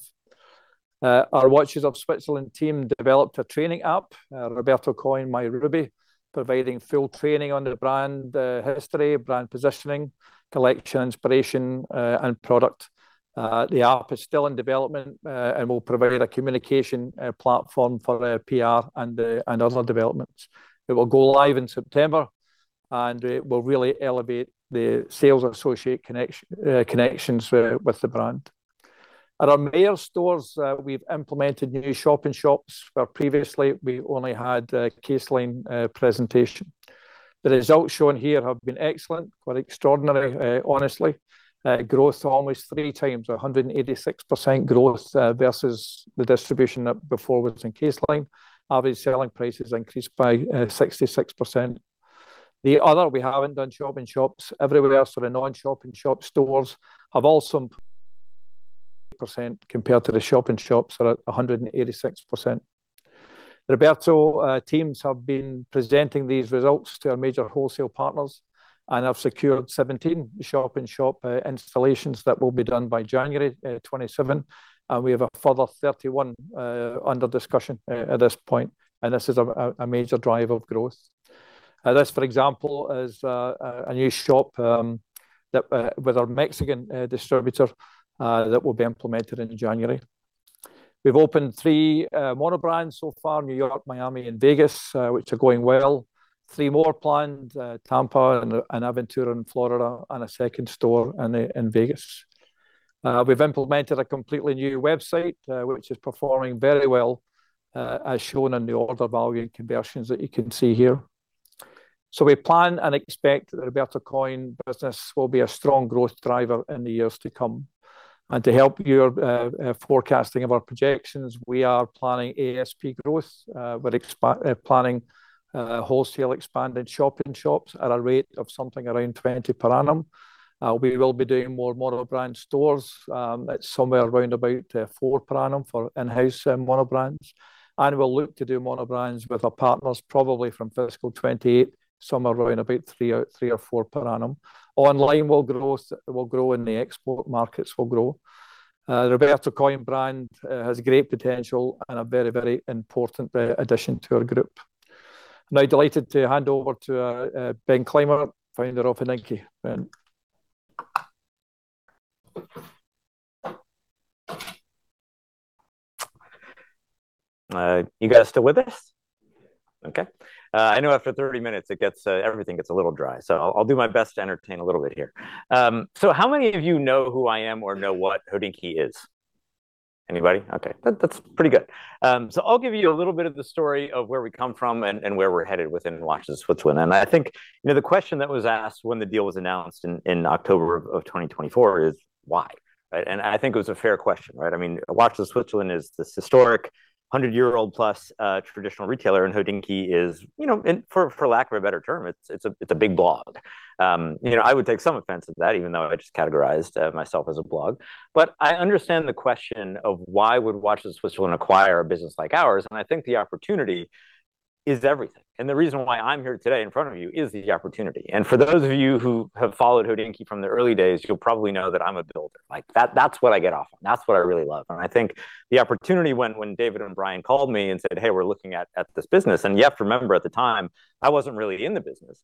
Our Watches of Switzerland Group team developed a training app, Roberto Coin My Ruby, providing full training on the brand history, brand positioning, collection, inspiration, and product. The app is still in development and will provide a communication platform for PR and other developments. It will go live in September. It will really elevate the sales associate connections with the brand. At our Mayors stores, we've implemented new shop-in-shops, where previously we only had case line presentation. The results shown here have been excellent, quite extraordinary honestly. Growth almost 3x, 186% growth versus the distribution that before was in case line. Average selling prices increased by 66%. Everywhere else, the non shop-in-shop stores have also compared to the shop-in-shops are at 186%. Roberto teams have been presenting these results to our major wholesale partners and have secured 17 shop-in-shop installations that will be done by January 2027. We have a further 31 under discussion at this point. This is a major driver of growth. This, for example, is a new shop with our Mexican distributor that will be implemented in January. We've opened three mono brands so far, New York, Miami, and Vegas, which are going well. Three more planned, Tampa and Aventura in Florida and a second store in Vegas. We've implemented a completely new website, which is performing very well, as shown in the order value and conversions that you can see here. We plan and expect that the Roberto Coin business will be a strong growth driver in the years to come. To help your forecasting of our projections, we are planning ASP growth. We're planning wholesale expanded shop-in-shops at a rate of something around 20 per annum. We will be doing more mono-brand stores at somewhere around about four per annum for in-house mono brands. We'll look to do mono brands with our partners probably from fiscal 2028, somewhere around about three or four per annum. Online will grow and the export markets will grow. Roberto Coin brand has great potential and a very important addition to our group. Now delighted to hand over to Ben Clymer, Founder of Hodinkee. Ben. You guys still with us? Okay. I know after 30 minutes everything gets a little dry, I'll do my best to entertain a little bit here. How many of you know who I am or know what Hodinkee is? Anybody? Okay. That's pretty good. I'll give you a little bit of the story of where we come from and where we're headed within Watches of Switzerland. I think the question that was asked when the deal was announced in October 2024 is why, right? I think it was a fair question, right? I mean, Watches of Switzerland is this historic 100-year-old plus traditional retailer, and Hodinkee is, for lack of a better term, it's a big blog. I would take some offense at that even though I just categorized myself as a blog. I understand the question of why would Watches of Switzerland acquire a business like ours, I think the opportunity is everything. The reason why I'm here today in front of you is the opportunity. For those of you who have followed Hodinkee from the early days, you'll probably know that I'm a builder. That's what I get off on. That's what I really love. I think the opportunity when David and Brian called me and said, "Hey, we're looking at this business." You have to remember at the time, I wasn't really in the business.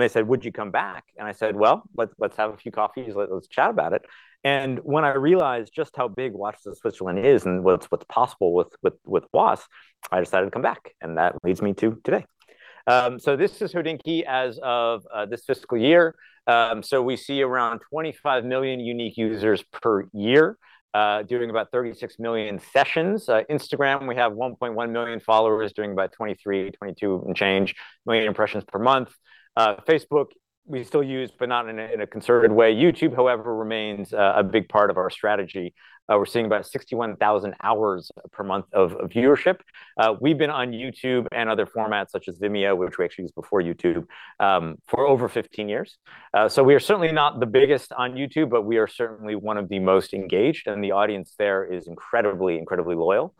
They said, "Would you come back?" I said, "Well, let's have a few coffees. Let's chat about it." When I realized just how big Watches of Switzerland is and what's possible with WOS, I decided to come back, and that leads me to today. This is Hodinkee as of this fiscal year. We see around 25 million unique users per year, doing about 36 million sessions. Instagram, we have 1.1 million followers doing about 23, 22 and change, million impressions per month. Facebook, we still use, but not in a concerted way. YouTube, however, remains a big part of our strategy. We're seeing about 61,000 hours per month of viewership. We've been on YouTube and other formats such as Vimeo, which we actually used before YouTube, for over 15 years. We are certainly not the biggest on YouTube, but we are certainly one of the most engaged, and the audience there is incredibly loyal.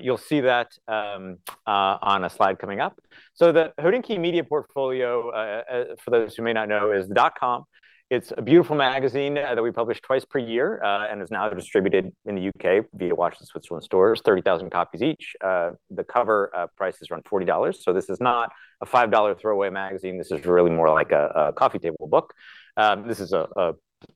You'll see that on a slide coming up. The Hodinkee media portfolio, for those who may not know, is the .com. It's a beautiful magazine that we publish twice per year, and is now distributed in the U.K. via Watches of Switzerland stores, 30,000 copies each. The cover price is around $40. This is not a $5 throwaway magazine. This is really more like a coffee table book. This is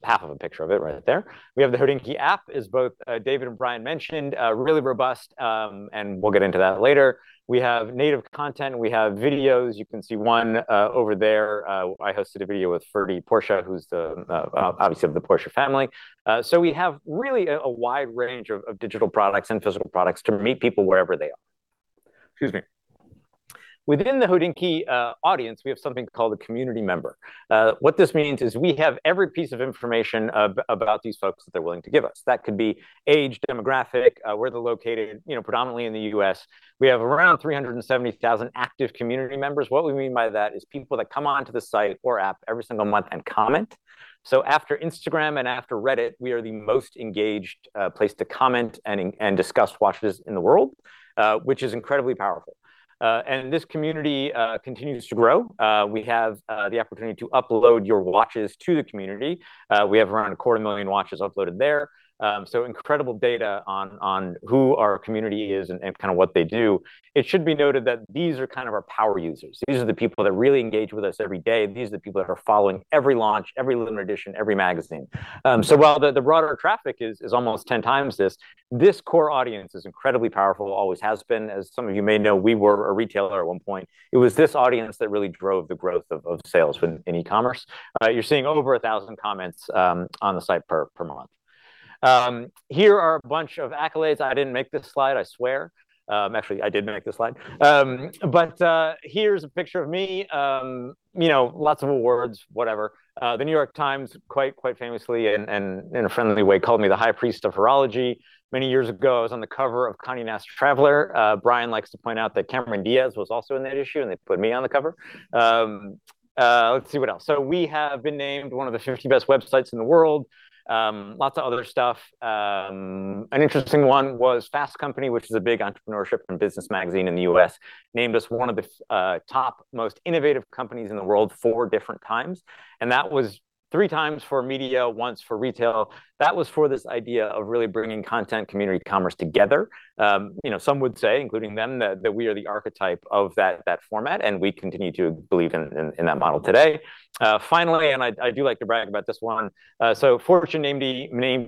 half of a picture of it right there. We have the Hodinkee app, as both David and Brian mentioned, really robust, and we'll get into that later. We have native content. We have videos. You can see one over there. I hosted a video with Ferdi Porsche, who's obviously of the Porsche family. We have really a wide range of digital products and physical products to meet people wherever they are. Excuse me. Within the Hodinkee audience, we have something called a community member. What this means is we have every piece of information about these folks that they're willing to give us. That could be age, demographic, where they're located, predominantly in the U.S. We have around 370,000 active community members. What we mean by that is people that come onto the site or app every single month and comment. After Instagram and after Reddit, we are the most engaged place to comment and discuss watches in the world, which is incredibly powerful. This community continues to grow. We have the opportunity to upload your watches to the community. We have around a quarter million watches uploaded there. Incredible data on who our community is and kind of what they do. It should be noted that these are kind of our power users. These are the people that really engage with us every day. These are the people that are following every launch, every limited edition, every magazine. While the broader traffic is almost 10x this core audience is incredibly powerful, always has been. As some of you may know, we were a retailer at one point. It was this audience that really drove the growth of sales in e-commerce. You're seeing over 1,000 comments on the site per month. Here are a bunch of accolades. I didn't make this slide, I swear. Actually, I did make this slide. Here's a picture of me. Lots of awards, whatever. The New York Times, quite famously and in a friendly way, called me the high priest of horology. Many years ago, I was on the cover of Condé Nast Traveler. Brian likes to point out that Cameron Diaz was also in that issue, and they put me on the cover. Let's see, what else? We have been named one of the 50 best websites in the world. Lots of other stuff. An interesting one was Fast Company, which is a big entrepreneurship and business magazine in the U.S., named us one of the top most innovative companies in the world four different times. That was three times for media, once for retail. That was for this idea of really bringing content, community, commerce together. Some would say, including them, that we are the archetype of that format, and we continue to believe in that model today. Finally, I do like to brag about this one. Fortune named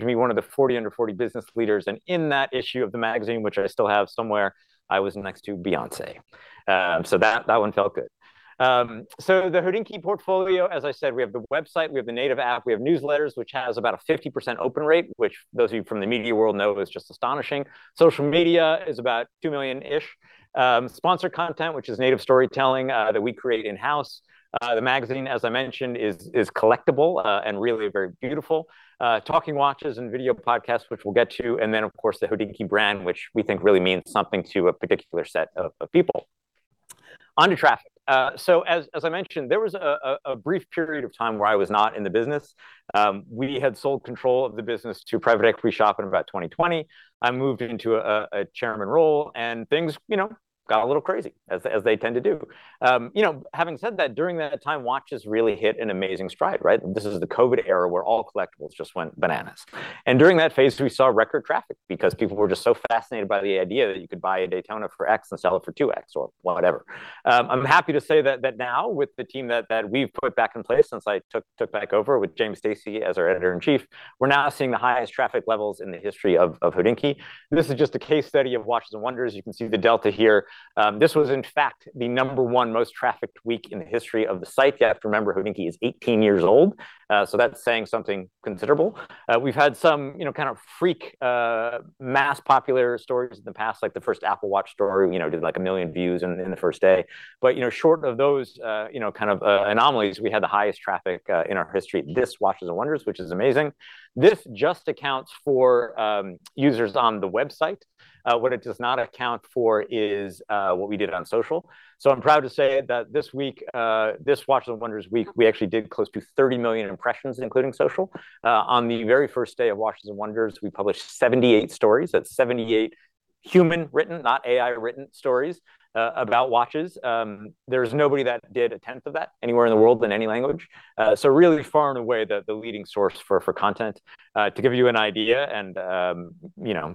me one of the 40 under 40 business leaders. In that issue of the magazine, which I still have somewhere, I was next to Beyoncé. That one felt good. The Hodinkee portfolio, as I said, we have the website, we have the native app, we have newsletters, which has about a 50% open rate, which those of you from the media world know is just astonishing. Social media is about 2 million-ish. Sponsored content, which is native storytelling that we create in-house. The magazine, as I mentioned, is collectible and really very beautiful. Talking Watches and video podcasts, which we'll get to. Of course, the Hodinkee brand, which we think really means something to a particular set of people. On to traffic. As I mentioned, there was a brief period of time where I was not in the business. We had sold control of the business to private equity shop in about 2020. I moved into a chairman role and things got a little crazy, as they tend to do. Having said that, during that time, watches really hit an amazing stride, right? This is the COVID era, where all collectibles just went bananas. During that phase, we saw record traffic because people were just so fascinated by the idea that you could buy a Daytona for X and sell it for 2X or whatever. I'm happy to say that now, with the team that we've put back in place since I took back over with James Stacey as our editor-in-chief, we're now seeing the highest traffic levels in the history of Hodinkee. This is just a case study of Watches and Wonders. You can see the delta here. This was, in fact, the number one most trafficked week in the history of the site. You have to remember, Hodinkee is 18 years old, that's saying something considerable. We've had some kind of freak mass popular stories in the past, like the first Apple Watch story, did 1 million views in the first day. Short of those kind of anomalies, we had the highest traffic in our history this Watches and Wonders, which is amazing. This just accounts for users on the website. What it does not account for is what we did on social. I'm proud to say that this Watches and Wonders week, we actually did close to 30 million impressions, including social. On the very first day of Watches and Wonders, we published 78 stories. That's 78 human written, not AI written stories about watches. There's nobody that did a tenth of that anywhere in the world in any language. Really far and away the leading source for content. To give you an idea,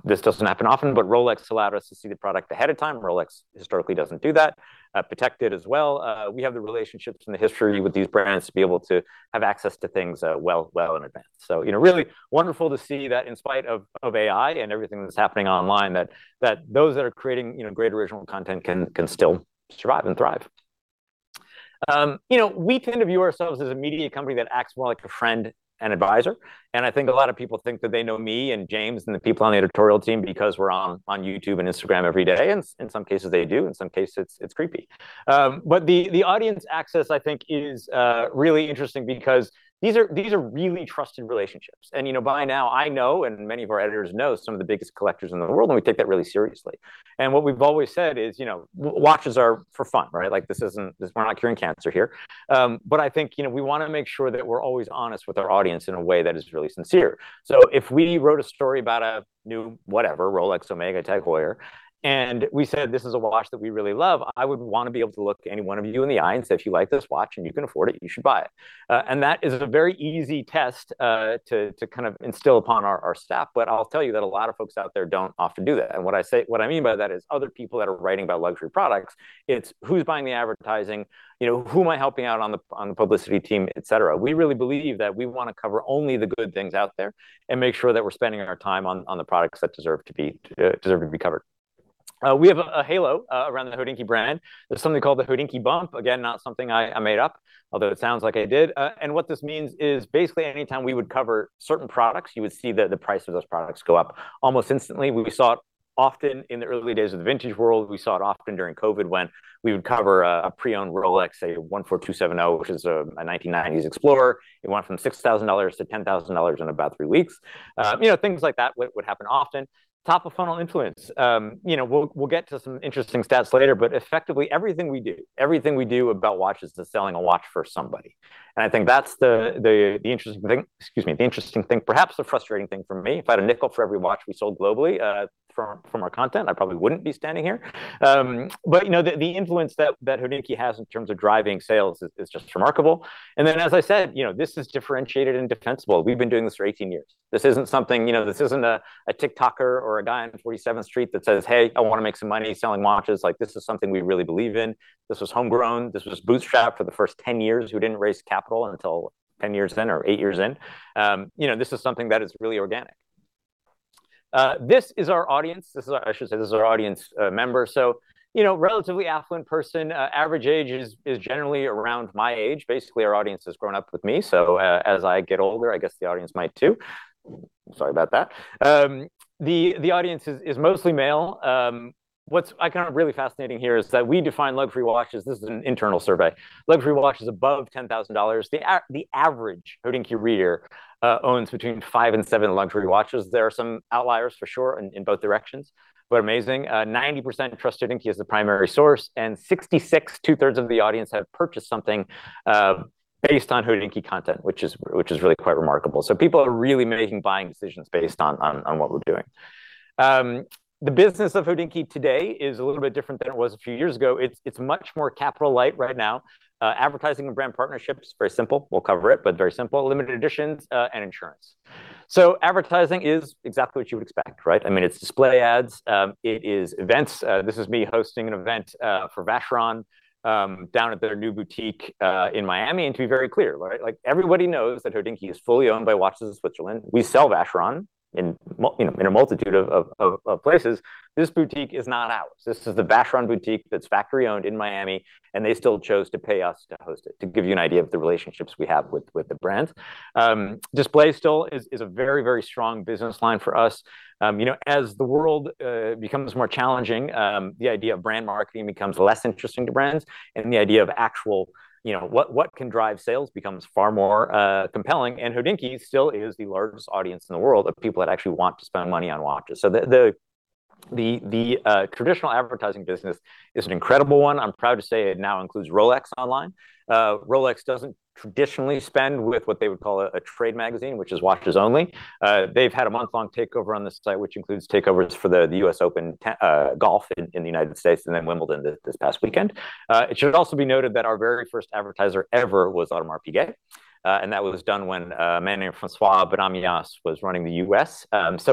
this doesn't happen often, Rolex allowed us to see the product ahead of time. Rolex historically doesn't do that. Patek did as well. We have the relationships and the history with these brands to be able to have access to things well in advance. Really wonderful to see that in spite of AI and everything that's happening online, that those that are creating great original content can still survive and thrive. We kind of view ourselves as a media company that acts more like a friend and advisor. I think a lot of people think that they know me and James and the people on the editorial team because we're on YouTube and Instagram every day. In some cases, they do. In some cases, it's creepy. The audience access, I think, is really interesting because these are really trusted relationships. By now I know, many of our editors know some of the biggest collectors in the world, and we take that really seriously. What we've always said is, watches are for fun, right? We're not curing cancer here. I think, we want to make sure that we're always honest with our audience in a way that is really sincere. If we wrote a story about a new, whatever, Rolex, Omega, TAG Heuer, and we said, "This is a watch that we really love," I would want to be able to look any one of you in the eye and say, "If you like this watch and you can afford it, you should buy it." That is a very easy test to kind of instill upon our staff. I'll tell you that a lot of folks out there don't often do that. What I mean by that is other people that are writing about luxury products, it's who's buying the advertising, who am I helping out on the publicity team, et cetera. We really believe that we want to cover only the good things out there and make sure that we're spending our time on the products that deserve to be covered. We have a halo around the Hodinkee brand. There's something called the Hodinkee Bump. Again, not something I made up, although it sounds like I did. What this means is basically anytime we would cover certain products, you would see that the price of those products go up almost instantly. We saw it often in the early days of the vintage world. We saw it often during COVID when we would cover a pre-owned Rolex, say 14270, which is a 1990s Explorer. It went from $6,000 to $10,000 in about three weeks. Things like that would happen often. Top-of-funnel influence. We will get to some interesting stats later, effectively everything we do about watches is selling a watch for somebody. I think that is the interesting thing, perhaps the frustrating thing for me. If I had a nickel for every watch we sold globally, from our content, I probably would not be standing here. The influence that Hodinkee has in terms of driving sales is just remarkable. As I said, this is differentiated and defensible. We have been doing this for 18 years. This is not something, this is not a TikToker or a guy on 47th Street that says, "Hey, I want to make some money selling watches." This is something we really believe in. This was homegrown. This was bootstrapped for the first 10 years. We did not raise capital until 10 years in or eight years in. This is something that is really organic. This is our audience. I should say this is our audience member. So, relatively affluent person. Average age is generally around my age. Basically, our audience has grown up with me. As I get older, I guess the audience might too. Sorry about that. The audience is mostly male. What is kind of really fascinating here is that we define luxury watches, this is an internal survey, luxury watches above $10,000. The average Hodinkee reader owns between five and seven luxury watches. There are some outliers for sure, in both directions, amazing. 90% trust Hodinkee as the primary source, and 66%, 2/3 of the audience have purchased something based on Hodinkee content, which is really quite remarkable. People are really making buying decisions based on what we are doing. The business of Hodinkee today is a little bit different than it was a few years ago. It is much more capital light right now. Advertising and brand partnerships, very simple. We will cover it, very simple. Limited editions and insurance. Advertising is exactly what you would expect, I mean, it is display ads. It is events. This is me hosting an event for Vacheron, down at their new boutique in Miami. To be very clear, everybody knows that Hodinkee is fully owned by Watches of Switzerland. We sell Vacheron in a multitude of places. This boutique is not ours. This is the Vacheron boutique that is factory-owned in Miami, they still chose to pay us to host it, to give you an idea of the relationships we have with the brands. Display still is a very, very strong business line for us. As the world becomes more challenging, the idea of brand marketing becomes less interesting to brands, the idea of actual what can drive sales becomes far more compelling. Hodinkee still is the largest audience in the world of people that actually want to spend money on watches. The traditional advertising business is an incredible one. I am proud to say it now includes Rolex online. Rolex does not traditionally spend with what they would call a trade magazine, which is watches only. They've had a month-long takeover on the site, which includes takeovers for the U.S. Open golf in the U.S. and Wimbledon this past weekend. It should also be noted that our very first advertiser ever was Audemars Piguet. That was done when a man named François Bennahmias was running the U.S.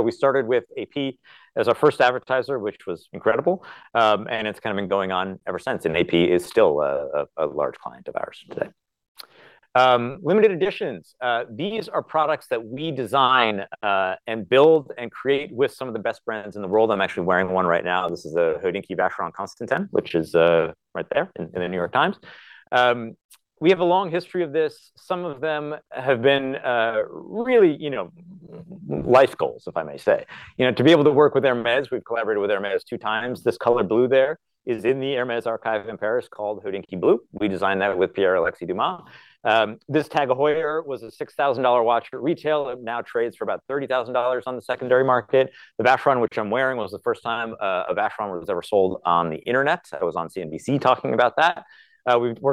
We started with AP as our first advertiser, which was incredible. It's kind of been going on ever since, and AP is still a large client of ours today. Limited editions. These are products that we design and build and create with some of the best brands in the world. I'm actually wearing one right now. This is a Hodinkee Vacheron Constantin, which is right there in The New York Times. We have a long history of this. Some of them have been really life goals, if I may say. [AUDIO DISTORTION] The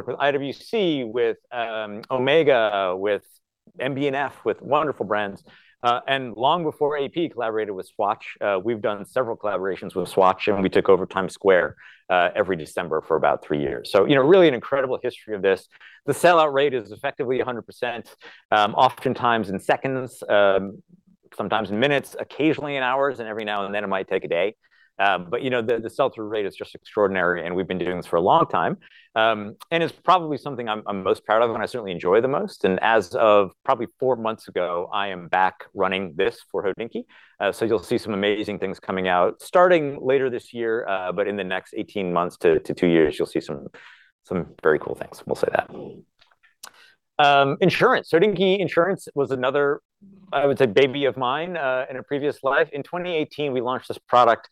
sell-through rate is just extraordinary, and we've been doing this for a long time. It's probably something I'm most proud of and I certainly enjoy the most. As of probably four months ago, I am back running this for Hodinkee. You'll see some amazing things coming out starting later this year, but in the next 18 months to two years, you'll see some very cool things, we'll say that. Insurance. Hodinkee Insurance was another, I would say, baby of mine in a previous life. In 2018, we launched this product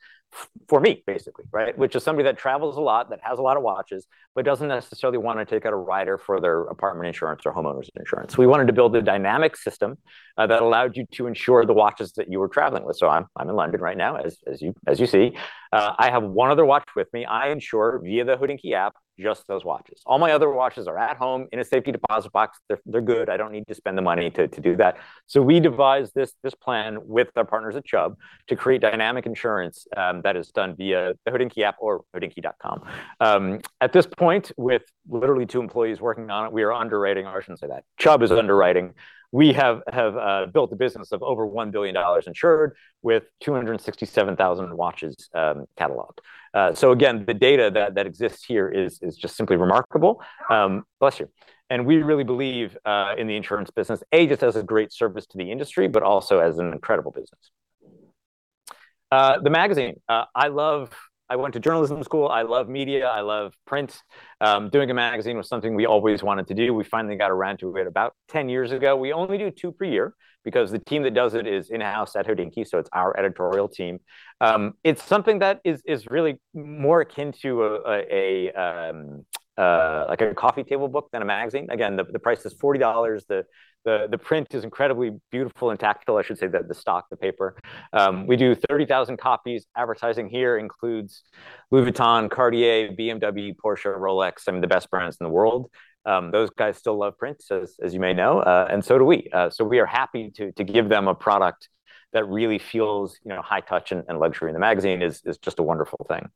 for me, basically, right? Which is somebody that travels a lot, that has a lot of watches, but doesn't necessarily want to take out a rider for their apartment insurance or homeowners insurance. We wanted to build a dynamic system that allowed you to insure the watches that you were traveling with. I'm in London right now, as you see. I have one other watch with me. I insure, via the Hodinkee app, just those watches. All my other watches are at home in a safety deposit box. They're good. I don't need to spend the money to do that. We devised this plan with our partners at Chubb to create dynamic insurance that is done via the Hodinkee app or hodinkee.com. At this point, with literally two employees working on it, we are underwriting, or I shouldn't say that, Chubb is underwriting. We have built a business of over $1 billion insured with 267,000 watches cataloged. Again, the data that exists here is just simply remarkable. Bless you. We really believe in the insurance business. A, just as a great service to the industry, but also as an incredible business. The magazine. I went to journalism school. I love media. I love print. Doing a magazine was something we always wanted to do. We finally got around to it about 10 years ago. We only do two per year because the team that does it is in-house at Hodinkee, it's our editorial team. It's something that is really more akin to a coffee table book than a magazine. Again, the price is GBP 40. The print is incredibly beautiful and tactile, I should say, the stock, the paper. We do 30,000 copies. Advertising here includes Louis Vuitton, Cartier, BMW, Porsche, Rolex, some of the best brands in the world. Those guys still love print, as you may know, and so do we. We are happy to give them a product that really feels high touch and luxury, and the magazine is just a wonderful thing.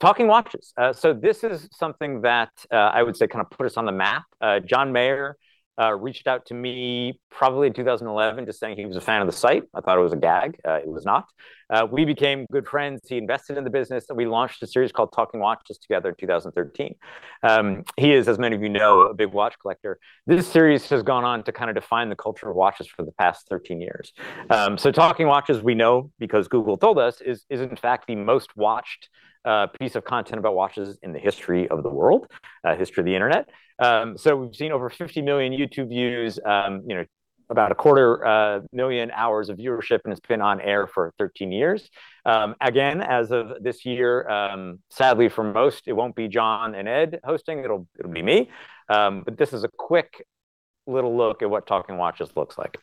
Talking Watches. This is something that I would say put us on the map. John Mayer reached out to me probably in 2011, just saying he was a fan of the site. I thought it was a gag. It was not. We became good friends. He invested in the business, and we launched a series called Talking Watches together in 2013. He is, as many of you know, a big watch collector. This series has gone on to kind of define the culture of watches for the past 13 years. Talking Watches, we know, because Google told us, is in fact the most-watched piece of content about watches in the history of the world, history of the internet. We've seen over 50 million YouTube views, about a quarter million hours of viewership, and it's been on air for 13 years. Again, as of this year, sadly for most, it won't be John and Ed hosting, it'll be me. This is a quick little look at what Talking Watches looks like.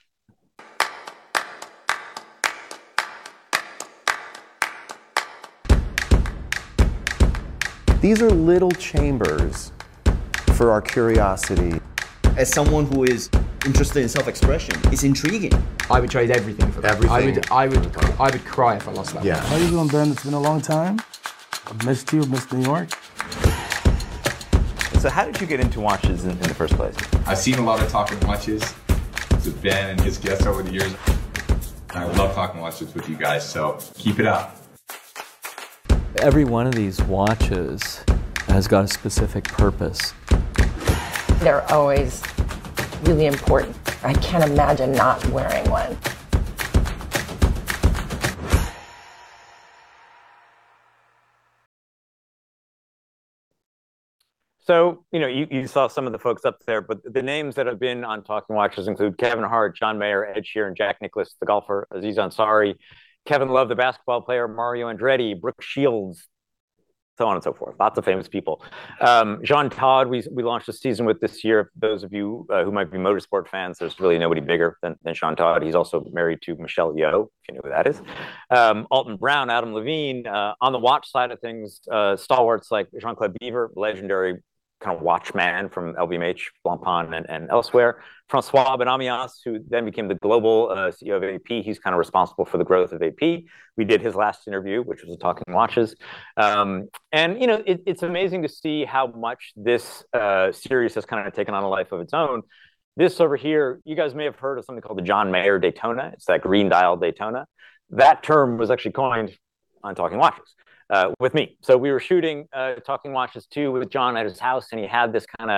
{Presentation] You saw some of the folks up there, but the names that have been on Talking Watches include Kevin Hart, John Mayer, Ed Sheeran, Jack Nicklaus, the golfer, Aziz Ansari, Kevin Love, the basketball player, Mario Andretti, Brooke Shields, so on and so forth. Lots of famous people. Jean Todt, we launched the season with this year. For those of you who might be motorsport fans, there's really nobody bigger than Jean Todt. He's also married to Michelle Yeoh, if you know who that is. Alton Brown, Adam Levine. On the watch side of things, stalwarts like Jean-Claude Biver, legendary watch man from LVMH, Blancpain, and elsewhere. François Bennahmias, who then became the global CEO of AP. He's kind of responsible for the growth of AP. We did his last interview, which was a Talking Watches. It's amazing to see how much this series has taken on a life of its own. This over here, you guys may have heard of something called the John Mayer Daytona. It's that green dial Daytona. That term was actually coined on Talking Watches with me. We were shooting Talking Watches 2 with John at his house, and he had this kind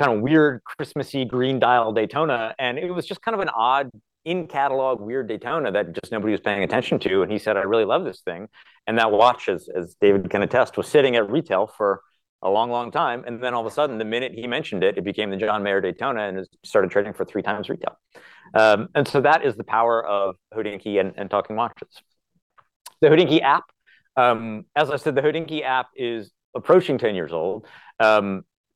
of weird Christmassy green dial Daytona, and it was just kind of an odd, in-catalog, weird Daytona that just nobody was paying attention to, and he said, "I really love this thing." That watch, as David can attest, was sitting at retail for a long, long time, and then all of a sudden, the minute he mentioned it became the John Mayer Daytona and started trading for three times retail. That is the power of Hodinkee and Talking Watches. The Hodinkee app. As I said, the Hodinkee app is approaching 10 years old.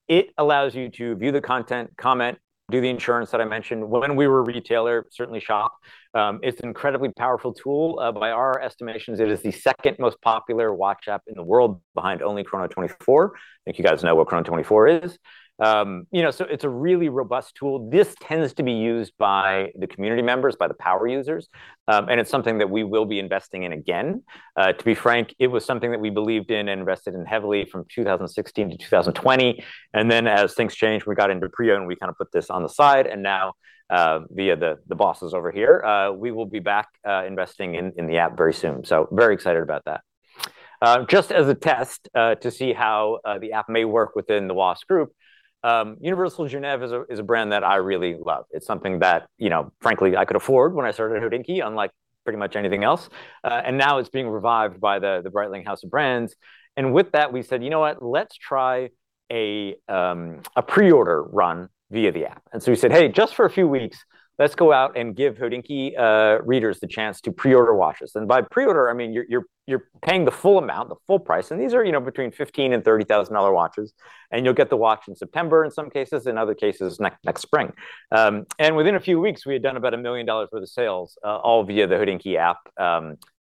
It allows you to view the content, comment, do the insurance that I mentioned. When we were a retailer, certainly shop. It's an incredibly powerful tool. By our estimations, it is the second most popular watch app in the world, behind only Chrono24, if you guys know what Chrono24 is. It's a really robust tool. This tends to be used by the community members, by the power users, and it's something that we will be investing in again. To be frank, it was something that we believed in and invested in heavily from 2016 to 2020, and then as things changed, we got into pre-owned, and we kind of put this on the side, and now, via the bosses over here, we will be back investing in the app very soon. Very excited about that. Just as a test to see how the app may work within the WOS group. Universal Genève is a brand that I really love. It's something that, frankly, I could afford when I started Hodinkee, unlike pretty much anything else. Now it's being revived by the Breitling House of Brands. With that, we said, "You know what? Let's try a pre-order run via the app." We said, "Hey, just for a few weeks, let's go out and give Hodinkee readers the chance to pre-order watches." By pre-order, I mean you're paying the full amount, the full price. These are between $15,000 and $30,000 watches, and you'll get the watch in September in some cases, in other cases, next spring. Within a few weeks, we had done about $1 million worth of sales, all via the Hodinkee app,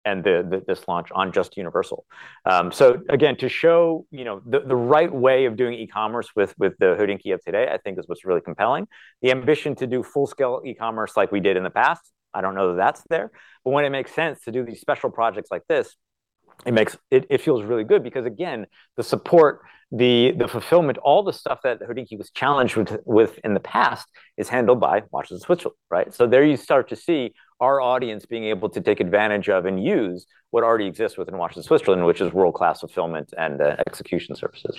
and this launch on just Universal. Again, to show the right way of doing e-commerce with the Hodinkee of today, I think is what's really compelling. The ambition to do full-scale e-commerce like we did in the past, I don't know that that's there, but when it makes sense to do these special projects like this, it feels really good because, again, the support, the fulfillment, all the stuff that Hodinkee was challenged with in the past is handled by Watches of Switzerland. There you start to see our audience being able to take advantage of and use what already exists within Watches of Switzerland, which is world-class fulfillment and execution services.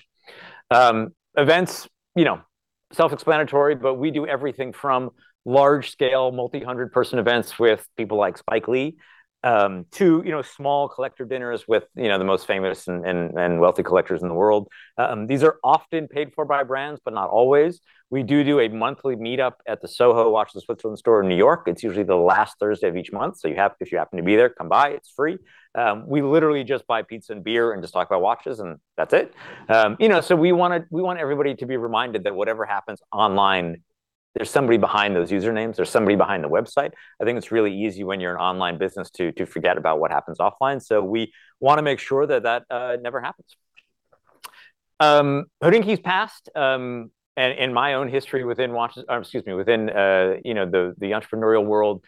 Events, self-explanatory, but we do everything from large-scale multi-hundred-person events with people like Spike Lee, to small collector dinners with the most famous and wealthy collectors in the world. These are often paid for by brands, but not always. We do do a monthly meetup at the Soho Watches of Switzerland store in New York. It's usually the last Thursday of each month, so if you happen to be there, come by. It's free. We literally just buy pizza and beer and just talk about watches, and that's it. We want everybody to be reminded that whatever happens online, there's somebody behind those usernames, there's somebody behind the website. I think it's really easy when you're an online business to forget about what happens offline. We want to make sure that that never happens. Hodinkee's past, and my own history within the entrepreneurial world,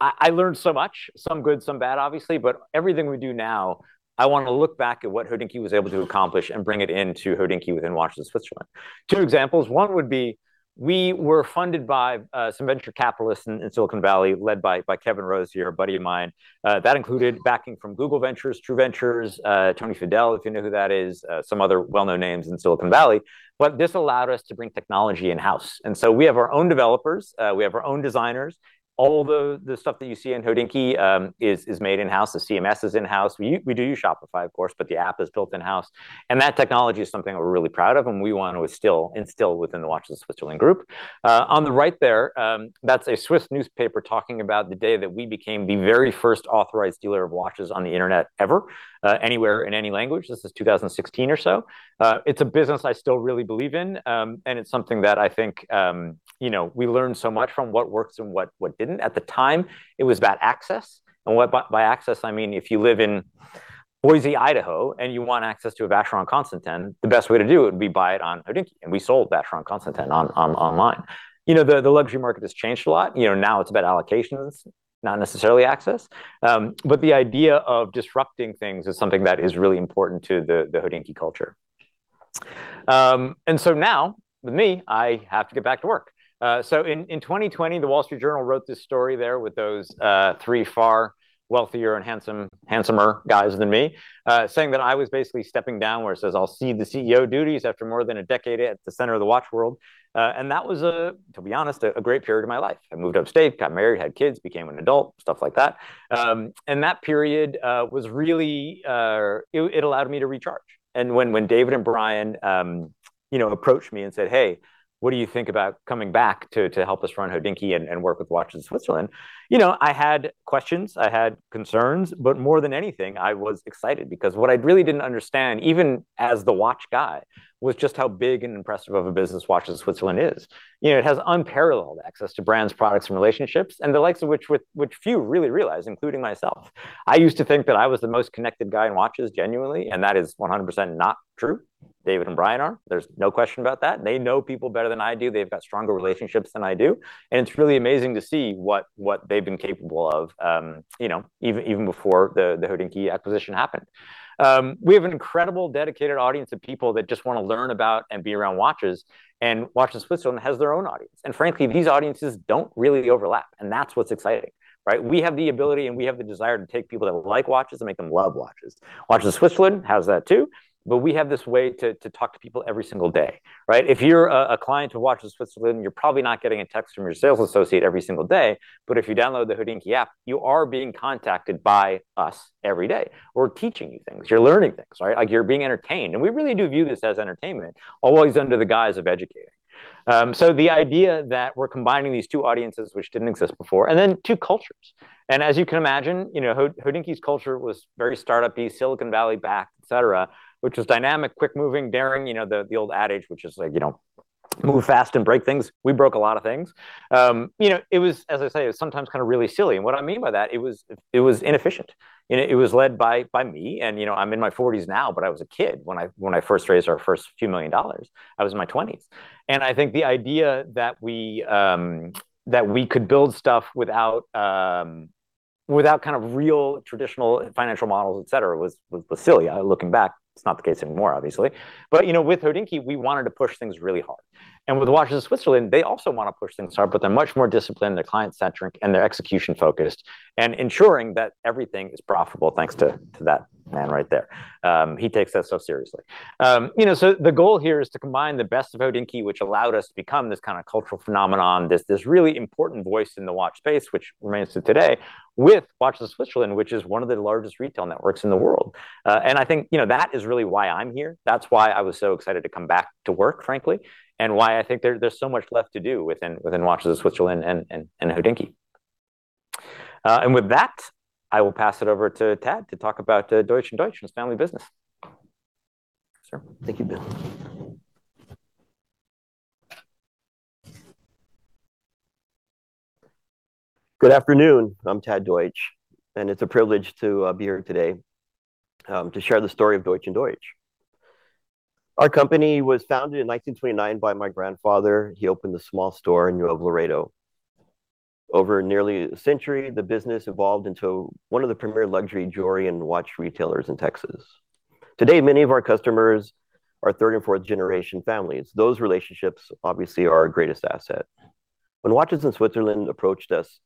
I learned so much. Some good, some bad, obviously, but everything we do now, I want to look back at what Hodinkee was able to accomplish and bring it into Hodinkee within Watches of Switzerland. Two examples. One would be, we were funded by some venture capitalists in Silicon Valley, led by Kevin Rose here, a buddy of mine. That included backing from Google Ventures, True Ventures, Tony Fadell, if you know who that is, some other well-known names in Silicon Valley. This allowed us to bring technology in-house. We have our own developers. We have our own designers. All the stuff that you see in Hodinkee is made in-house. The CMS is in-house. We do use Shopify, of course, but the app is built in-house, and that technology is something that we're really proud of, and we want to instill within the Watches of Switzerland Group. On the right there, that's a Swiss newspaper talking about the day that we became the very first Authorized Dealer of watches on the internet ever, anywhere, in any language. This is 2016 or so. It's a business I still really believe in, and it's something that I think we learned so much from what works and what didn't. At the time, it was about access, and by access, I mean, if you live in Boise, Idaho, and you want access to a Vacheron Constantin, the best way to do it would be buy it on Hodinkee, and we sold Vacheron Constantin online. The luxury market has changed a lot. Now it's about allocations, not necessarily access. The idea of disrupting things is something that is really important to the Hodinkee culture. Now, with me, I have to get back to work. In 2020, The Wall Street Journal wrote this story there with those three far wealthier and handsomer guys than me, saying that I was basically stepping down, where it says, "I'll cede the CEO duties after more than a decade at the center of the watch world." That was, to be honest, a great period of my life. I moved upstate, got married, had kids, became an adult, stuff like that. That period, it allowed me to recharge. When David and Brian approached me and said, "Hey, what do you think about coming back to help us run Hodinkee and work with Watches of Switzerland?" I had questions, I had concerns, but more than anything, I was excited because what I really didn't understand, even as the watch guy, was just how big and impressive of a business Watches of Switzerland is. It has unparalleled access to brands, products, and relationships, the likes of which few really realize, including myself. I used to think that I was the most connected guy in watches, genuinely, that is 100% not true. David and Brian are. There's no question about that. They know people better than I do. They've got stronger relationships than I do. It's really amazing to see what they've been capable of, even before the Hodinkee acquisition happened. We have an incredible, dedicated audience of people that just want to learn about and be around watches, and Watches of Switzerland has their own audience. Frankly, these audiences don't really overlap, and that's what's exciting. We have the ability and we have the desire to take people that like watches and make them love watches. Watches of Switzerland has that, too. We have this way to talk to people every single day. If you're a client of Watches of Switzerland, you're probably not getting a text from your sales associate every single day. If you download the Hodinkee app, you are being contacted by us every day. We're teaching you things. You're learning things. You're being entertained. We really do view this as entertainment, always under the guise of educating. The idea that we're combining these two audiences, which didn't exist before, and then two cultures. As you can imagine, Hodinkee's culture was very startup-y, Silicon Valley backed, et cetera, which was dynamic, quick moving, daring. The old adage, which is move fast and break things. We broke a lot of things. As I say, it was sometimes kind of really silly. What I mean by that, it was inefficient. It was led by me, I'm in my 40s now, but I was a kid when I first raised our first few million dollars. I was in my 20s. I think the idea that we could build stuff without real traditional financial models, et cetera, was silly. Looking back, it's not the case anymore, obviously. With Hodinkee, we wanted to push things really hard. With Watches of Switzerland, they also want to push things hard, but they're much more disciplined, they're client-centric, and they're execution-focused and ensuring that everything is profitable, thanks to that man right there. He takes that so seriously. The goal here is to combine the best of Hodinkee, which allowed us to become this kind of cultural phenomenon, this really important voice in the watch space, which remains to today, with Watches of Switzerland, which is one of the largest retail networks in the world. I think that is really why I'm here. That's why I was so excited to come back to work, frankly, and why I think there's so much left to do within Watches of Switzerland and Hodinkee. With that, I will pass it over to Tad to talk about Deutsch & Deutsch and his family business. Sir. Thank you, Ben. Good afternoon. I'm Tad Deutsch, and it's a privilege to be here today to share the story of Deutsch & Deutsch. Our company was founded in 1929 by my grandfather. He opened a small store in Laredo. Over nearly a century, the business evolved into one of the premier luxury jewelry and watch retailers in Texas. Today, many of our customers are third and fourth-generation families. Those relationships, obviously, are our greatest asset. When Watches of Switzerland approached us,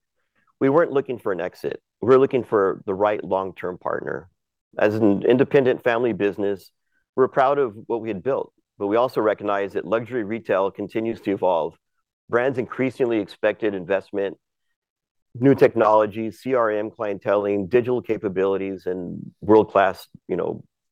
we weren't looking for an exit. We were looking for the right long-term partner. As an independent family business, we were proud of what we had built, but we also recognized that luxury retail continues to evolve. Brands increasingly expected investment, new technology, CRM clienteling, digital capabilities, and world-class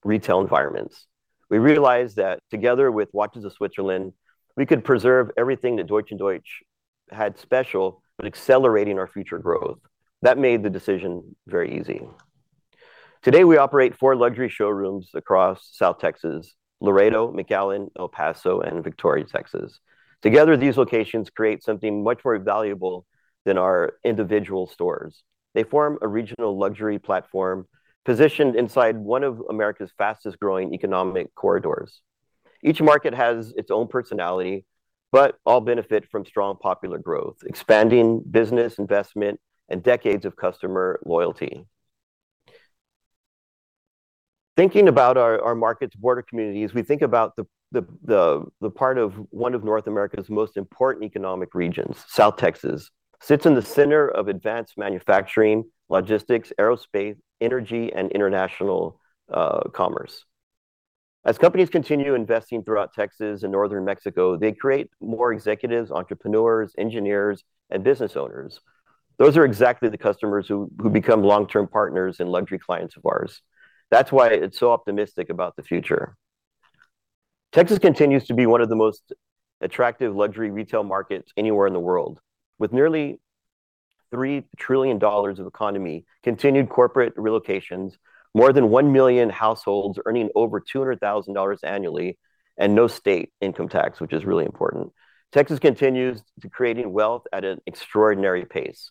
retail environments. We realized that together with Watches of Switzerland, we could preserve everything that Deutsch & Deutsch had special, but accelerating our future growth. That made the decision very easy. Today, we operate four luxury showrooms across South Texas: Laredo, McAllen, El Paso, and Victoria, Texas. Together, these locations create something much more valuable than our individual stores. They form a regional luxury platform positioned inside one of America's fastest-growing economic corridors. Each market has its own personality, but all benefit from strong popular growth, expanding business investment, and decades of customer loyalty. Thinking about our market's border communities, we think about the part of one of North America's most important economic regions. South Texas sits in the center of advanced manufacturing, logistics, aerospace, energy, and international commerce. As companies continue investing throughout Texas and northern Mexico, they create more executives, entrepreneurs, engineers, and business owners. Those are exactly the customers who become long-term partners and luxury clients of ours. That's why it's so optimistic about the future. Texas continues to be one of the most attractive luxury retail markets anywhere in the world. With nearly $3 trillion of economy, continued corporate relocations, more than 1 million households earning over $200,000 annually, and no state income tax, which is really important. Texas continues creating wealth at an extraordinary pace.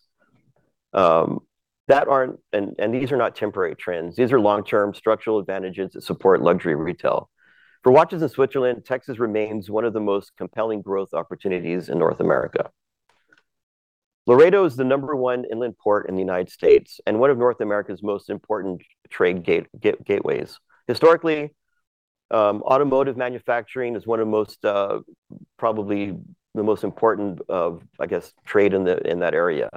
These are not temporary trends. These are long-term structural advantages that support luxury retail. For Watches of Switzerland, Texas remains one of the most compelling growth opportunities in North America. Laredo is the number one inland port in the U.S. and one of North America's most important trade gateways. Historically, automotive manufacturing is one of probably the most important of, I guess, trade in that area.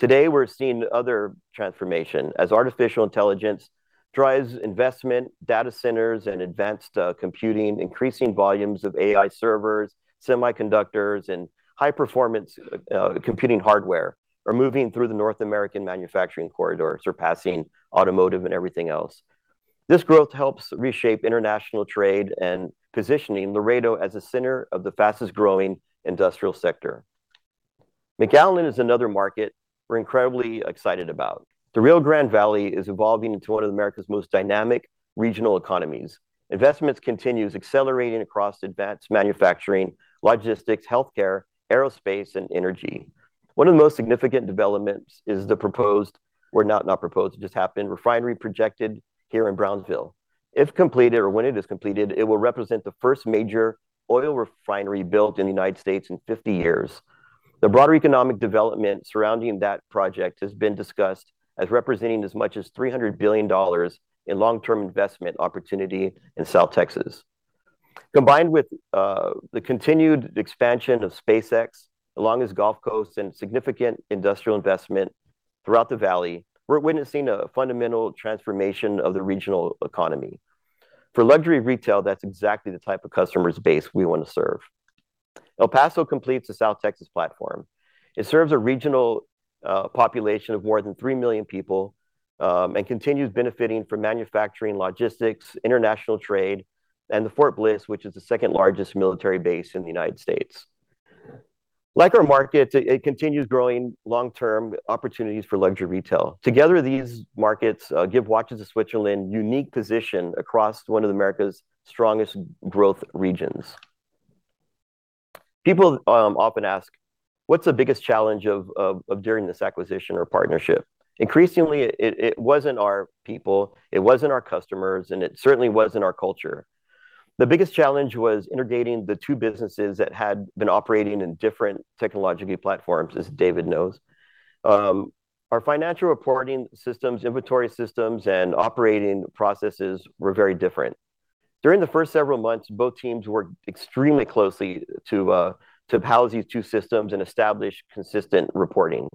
Today, we're seeing other transformation as artificial intelligence drives investment, data centers, and advanced computing, increasing volumes of AI servers, semiconductors, and high-performance computing hardware are moving through the North American manufacturing corridor, surpassing automotive and everything else. This growth helps reshape international trade and positioning Laredo as a center of the fastest-growing industrial sector. McAllen is another market we're incredibly excited about. The Rio Grande Valley is evolving into one of America's most dynamic regional economies. Investments continues accelerating across advanced manufacturing, logistics, healthcare, aerospace, and energy. One of the most significant developments is the proposed, or not proposed, it just happened, refinery projected here in Brownsville. If completed or when it is completed, it will represent the first major oil refinery built in the United States in 50 years. The broader economic development surrounding that project has been discussed as representing as much as $300 billion in long-term investment opportunity in South Texas. Combined with the continued expansion of SpaceX along its Gulf Coast and significant industrial investment throughout the valley, we're witnessing a fundamental transformation of the regional economy. For luxury retail, that's exactly the type of customer base we want to serve. El Paso completes the South Texas platform. It serves a regional population of more than 3 million people and continues benefiting from manufacturing, logistics, international trade, and the Fort Bliss, which is the second largest military base in the United States. Like our markets, it continues growing long-term opportunities for luxury retail. Together, these markets give Watches of Switzerland unique position across one of America's strongest growth regions. People often ask, "What's the biggest challenge of during this acquisition or partnership?" Increasingly, it wasn't our people, it wasn't our customers, and it certainly wasn't our culture. The biggest challenge was integrating the two businesses that had been operating in different technological platforms, as David knows. Our financial reporting systems, inventory systems, and operating processes were very different. During the first several months, both teams worked extremely closely to house these two systems and establish consistent reporting.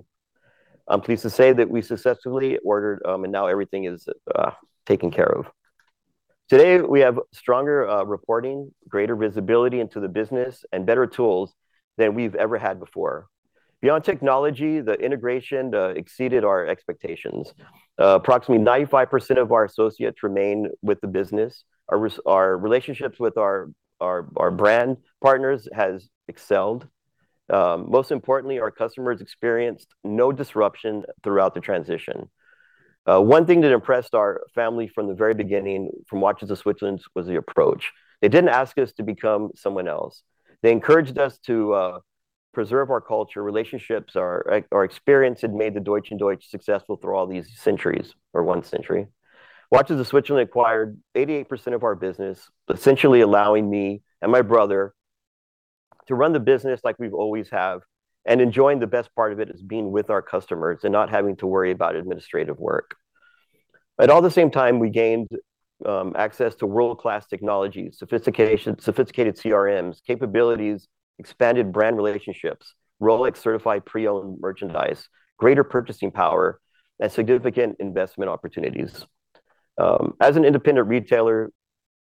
I'm pleased to say that we successfully ordered and now everything is taken care of. Today, we have stronger reporting, greater visibility into the business, and better tools than we've ever had before. Beyond technology, the integration exceeded our expectations. Approximately 95% of our associates remain with the business. Our relationships with our brand partners has excelled. Most importantly, our customers experienced no disruption throughout the transition. One thing that impressed our family from the very beginning from Watches of Switzerland was the approach. They didn't ask us to become someone else. They encouraged us to preserve our culture, relationships, our experience that had made the Deutsch & Deutsch successful through all these centuries, or one century. Watches of Switzerland acquired 88% of our business, essentially allowing me and my brother to run the business like we've always have. Enjoying the best part of it is being with our customers and not having to worry about administrative work. All the same time, we gained access to world-class technologies, sophisticated CRMs, capabilities, expanded brand relationships, Rolex-certified pre-owned merchandise, greater purchasing power, and significant investment opportunities. As an independent retailer,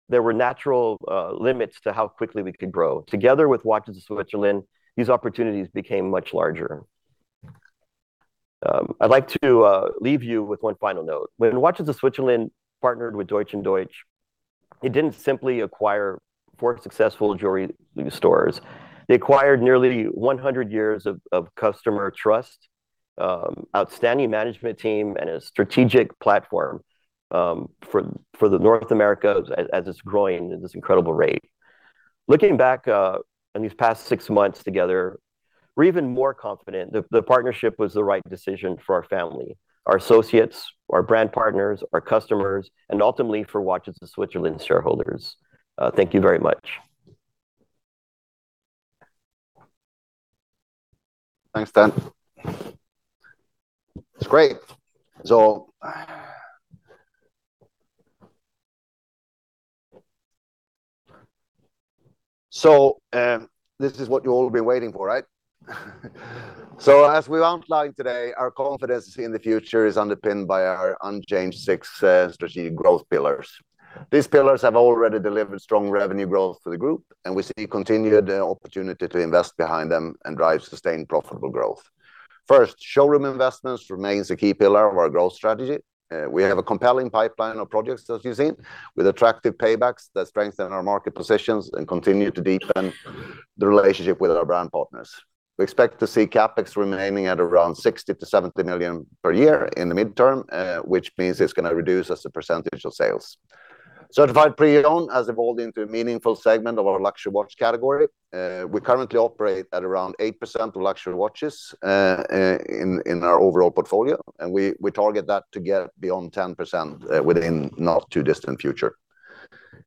there were natural limits to how quickly we could grow. Together with Watches of Switzerland, these opportunities became much larger. I'd like to leave you with one final note. When Watches of Switzerland partnered with Deutsch & Deutsch, it didn't simply acquire four successful jewelry stores. They acquired nearly 100 years of customer trust, outstanding management team, and a strategic platform for the North Americas as it's growing at this incredible rate. Looking back on these past six months together, we're even more confident the partnership was the right decision for our family, our associates, our brand partners, our customers, and ultimately, for Watches of Switzerland shareholders. Thank you very much. Thanks, Tad. That's great. As we outlined today, our confidence in the future is underpinned by our unchanged six strategic growth pillars. These pillars have already delivered strong revenue growth to the group, and we see continued opportunity to invest behind them and drive sustained profitable growth. First, showroom investments remains a key pillar of our growth strategy. We have a compelling pipeline of projects, as you've seen, with attractive paybacks that strengthen our market positions and continue to deepen the relationship with our brand partners. We expect to see CapEx remaining at around 60 million-70 million per year in the midterm, which means it's going to reduce as a percentage of sales. Certified Pre-Owned has evolved into a meaningful segment of our luxury watch category. We currently operate at around 8% of luxury watches in our overall portfolio, and we target that to get beyond 10% within not too distant future.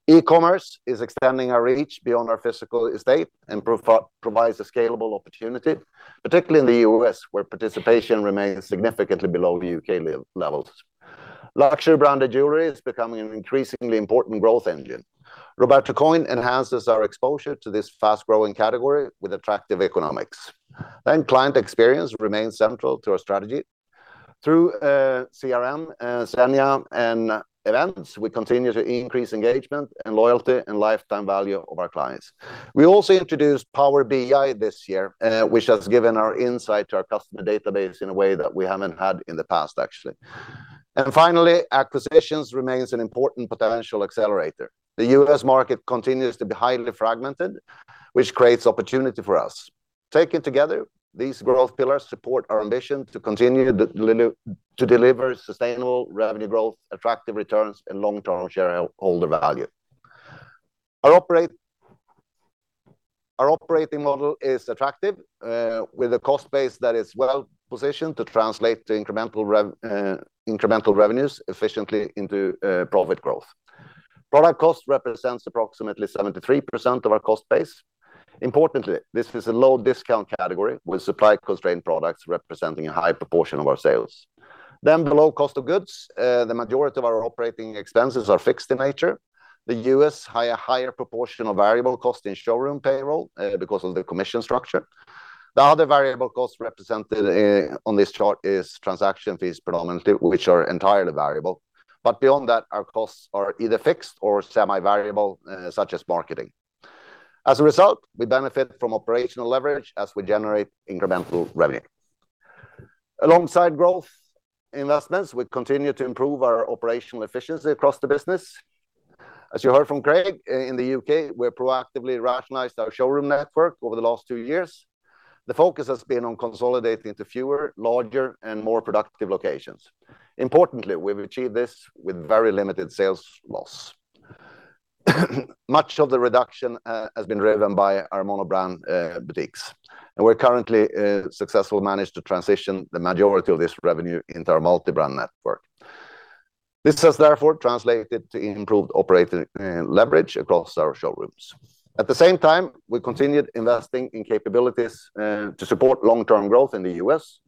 E-commerce is extending our reach beyond our physical estate and provides a scalable opportunity, particularly in the U.S., where participation remains significantly below the U.K. levels. Luxury branded jewelry is becoming an increasingly important growth engine. Roberto Coin enhances our exposure to this fast-growing category with attractive economics. Client experience remains central to our strategy. Through CRM, Xenia and events, we continue to increase engagement and loyalty and lifetime value of our clients. We also introduced Power BI this year, which has given our insight to our customer database in a way that we haven't had in the past, actually. Finally, acquisitions remains an important potential accelerator. The U.S. market continues to be highly fragmented, which creates opportunity for us. Taken together, these growth pillars support our ambition to continue to deliver sustainable revenue growth, attractive returns, and long-term shareholder value. Our operating model is attractive, with a cost base that is well-positioned to translate the incremental revenues efficiently into profit growth. Product cost represents approximately 73% of our cost base. Importantly, this is a low discount category with supply-constrained products representing a high proportion of our sales. The low cost of goods. The majority of our operating expenses are fixed in nature. The U.S. has a higher proportion of variable cost in showroom payroll because of the commission structure. The other variable cost represented on this chart is transaction fees predominantly, which are entirely variable. Beyond that, our costs are either fixed or semi-variable, such as marketing. As a result, we benefit from operational leverage as we generate incremental revenue. Alongside growth investments, we continue to improve our operational efficiency across the business. As you heard from Craig, in the U.K., we proactively rationalized our showroom network over the last two years. The focus has been on consolidating to fewer, larger, and more productive locations. Importantly, we've achieved this with very limited sales loss. Much of the reduction has been driven by our monobrand boutiques. We're currently successfully managed to transition the majority of this revenue into our multi-brand network. This has therefore translated to improved operating leverage across our showrooms. At the same time, we continued investing in capabilities to support long-term growth in the U.S.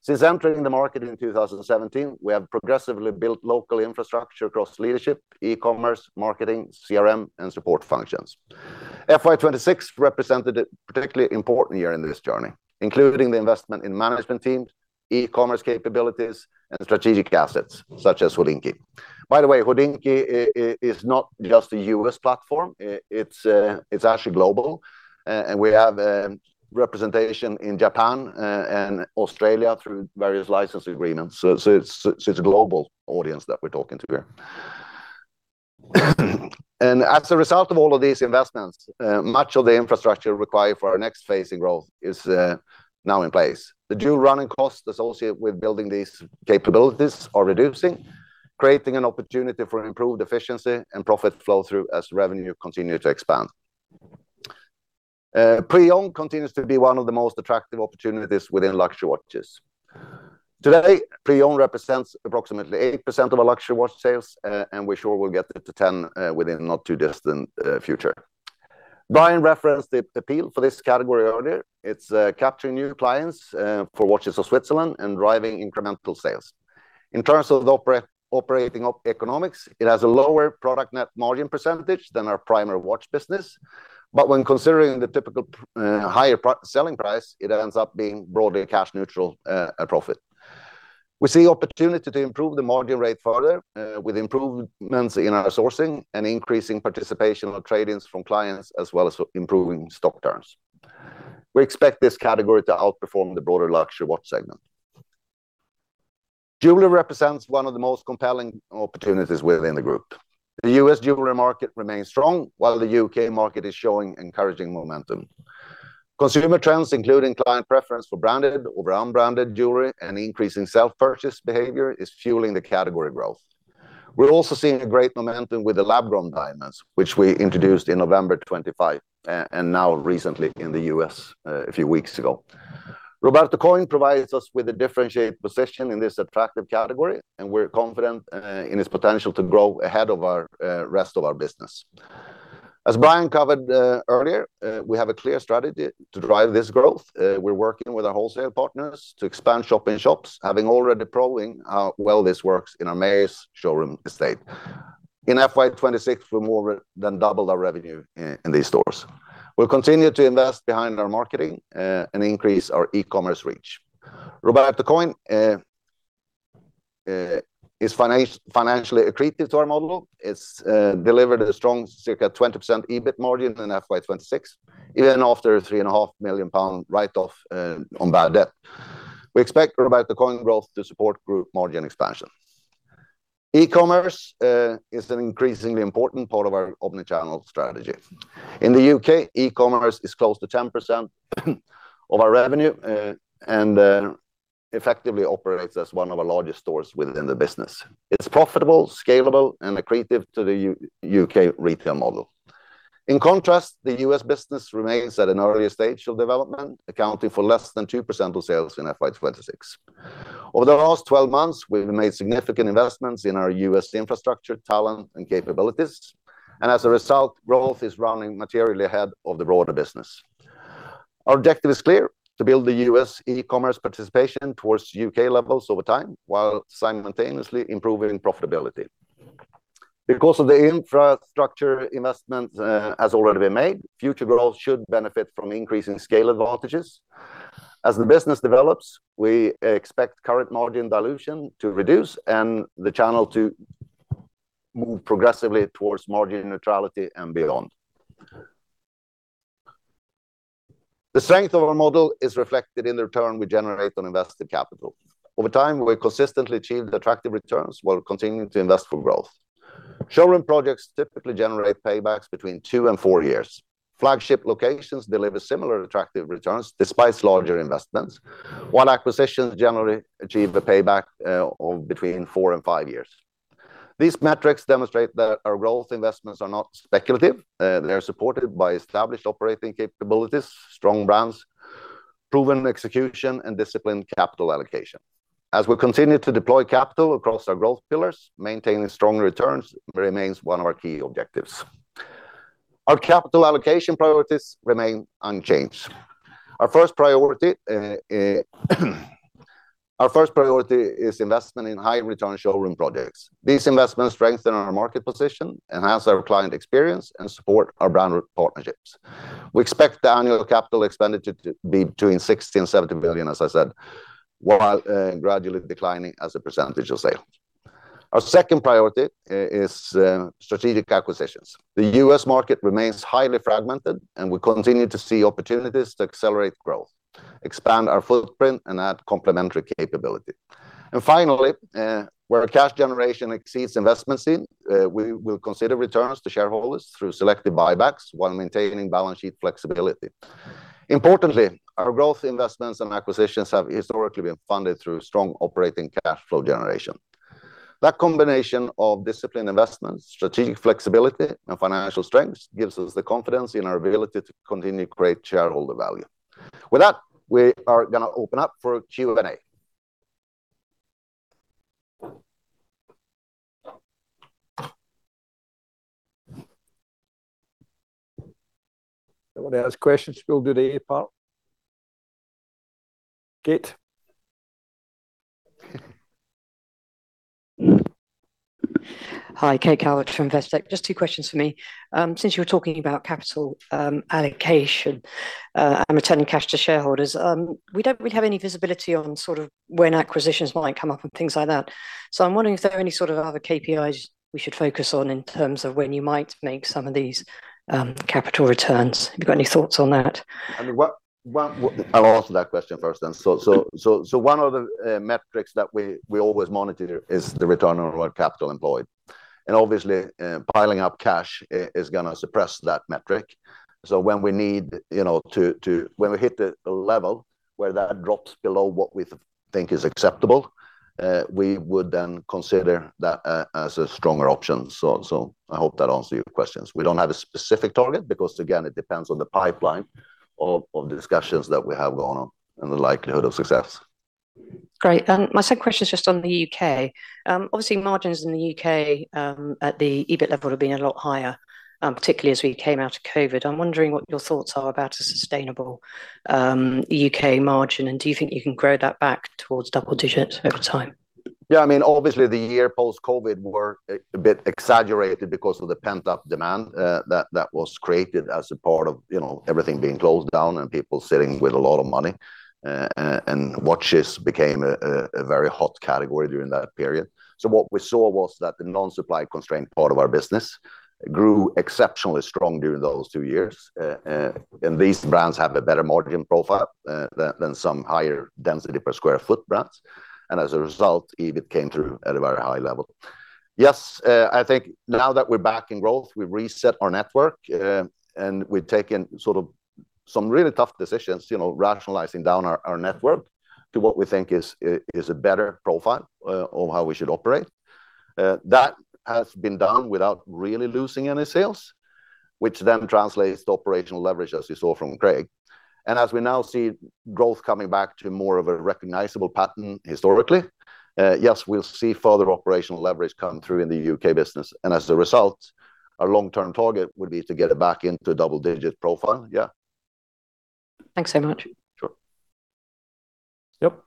Since entering the market in 2017, we have progressively built local infrastructure across leadership, e-commerce, marketing, CRM, and support functions. FY 2026 represented a particularly important year in this journey, including the investment in management teams, e-commerce capabilities, and strategic assets such as Hodinkee. By the way, Hodinkee is not just a U.S. platform. It's actually global. We have representation in Japan and Australia through various license agreements. It's a global audience that we're talking to here. As a result of all of these investments, much of the infrastructure required for our next phase in growth is now in place. The due running costs associated with building these capabilities are reducing, creating an opportunity for improved efficiency and profit flow through as revenue continue to expand. Pre-owned continues to be one of the most attractive opportunities within luxury watches. Today, pre-owned represents approximately 8% of our luxury watch sales, and we're sure we'll get it to 10% within a not too distant future. Brian referenced the appeal for this category earlier. It's capturing new clients for Watches of Switzerland and driving incremental sales. In terms of operating economics, it has a lower product net margin percentage than our primary watch business. When considering the typical higher selling price, it ends up being broadly a cash neutral profit. We see opportunity to improve the margin rate further with improvements in our sourcing and increasing participation of trade-ins from clients, as well as improving stock turns. We expect this category to outperform the broader luxury watch segment. Jewelry represents one of the most compelling opportunities within the group. The U.S. jewelry market remains strong, while the U.K. market is showing encouraging momentum. Consumer trends, including client preference for branded over unbranded jewelry and increase in self-purchase behavior, is fueling the category growth. We're also seeing a great momentum with the Lab-grown diamonds, which we introduced in November 2025, and now recently in the U.S. a few weeks ago. Roberto Coin provides us with a differentiated position in this attractive category, and we're confident in its potential to grow ahead of rest of our business. As Brian covered earlier, we have a clear strategy to drive this growth. We're working with our wholesale partners to expand shop in shops, having already proven how well this works in our Mayors showroom estate. In FY 2026, we more than doubled our revenue in these stores. We'll continue to invest behind our marketing, and increase our e-commerce reach. Roberto Coin is financially accretive to our model. It's delivered a strong circa 20% EBIT margin in FY 2026, even after 3.5 million pound write-off on bad debt. We expect Roberto Coin growth to support group margin expansion. E-commerce is an increasingly important part of our omnichannel strategy. In the U.K., e-commerce is close to 10% of our revenue, and effectively operates as one of our largest stores within the business. It's profitable, scalable, and accretive to the U.K. retail model. In contrast, the U.S. business remains at an earlier stage of development, accounting for less than 2% of sales in FY 2026. Over the last 12 months, we've made significant investments in our U.S. infrastructure, talent, and capabilities, and as a result, growth is running materially ahead of the broader business. Our objective is clear: to build the U.S. e-commerce participation towards U.K. levels over time, while simultaneously improving profitability. Because of the infrastructure investment has already been made, future growth should benefit from increasing scale advantages. As the business develops, we expect current margin dilution to reduce and the channel to move progressively towards margin neutrality and beyond. The strength of our model is reflected in the return we generate on invested capital. Over time, we've consistently achieved attractive returns while continuing to invest for growth. Showroom projects typically generate paybacks between two and four years. Flagship locations deliver similar attractive returns despite larger investments, while acquisitions generally achieve a payback of between four and five years. These metrics demonstrate that our growth investments are not speculative. They're supported by established operating capabilities, strong brands, proven execution, and disciplined capital allocation. As we continue to deploy capital across our growth pillars, maintaining strong returns remains one of our key objectives. Our capital allocation priorities remain unchanged. Our first priority is investment in high return showroom projects. These investments strengthen our market position, enhance our client experience, and support our brand partnerships. We expect annual capital expenditure to be between 60 million and 70 million, as I said, while gradually declining as a percentage of sales. Our second priority is strategic acquisitions. The U.S. market remains highly fragmented and we continue to see opportunities to accelerate growth, expand our footprint, and add complementary capability. Finally, where cash generation exceeds investments, we will consider returns to shareholders through selective buybacks while maintaining balance sheet flexibility. Importantly, our growth investments and acquisitions have historically been funded through strong operating cash flow generation. That combination of disciplined investments, strategic flexibility, and financial strength gives us the confidence in our ability to continue to create shareholder value. With that, we are going to open up for Q&A. Does anyone else have questions before we do the A part? Kate? Hi, Kate Calvert from Investec. Just two questions from me. Since you were talking about capital allocation and returning cash to shareholders, we don't really have any visibility on when acquisitions might come up and things like that. I'm wondering if there are any other KPIs we should focus on in terms of when you might make some of these capital returns. Have you got any thoughts on that? I'll answer that question first then. One of the metrics that we always monitor is the return on our capital employed. Obviously, piling up cash is going to suppress that metric. When we hit the level where that drops below what we think is acceptable, we would then consider that as a stronger option. I hope that answers your questions. We don't have a specific target because, again, it depends on the pipeline of the discussions that we have going on and the likelihood of success. Great. My second question is just on the U.K. Obviously, margins in the U.K. at the EBIT level have been a lot higher, particularly as we came out of COVID. I'm wondering what your thoughts are about a sustainable U.K. margin, and do you think you can grow that back towards double digits over time? Obviously the year post-COVID were a bit exaggerated because of the pent-up demand that was created as a part of everything being closed down and people sitting with a lot of money, and watches became a very hot category during that period. What we saw was that the non-supply constrained part of our business grew exceptionally strong during those two years. These brands have a better margin profile than some higher density per square foot brands. As a result, EBIT came through at a very high level. I think now that we're back in growth, we've reset our network, and we've taken some really tough decisions, rationalizing down our network to what we think is a better profile of how we should operate. That has been done without really losing any sales, which then translates to operational leverage, as you saw from Craig. As we now see growth coming back to more of a recognizable pattern historically, yes, we'll see further operational leverage come through in the U.K. business. As a result, our long-term target would be to get it back into a double-digit profile. Thanks so much. Sure. Yep.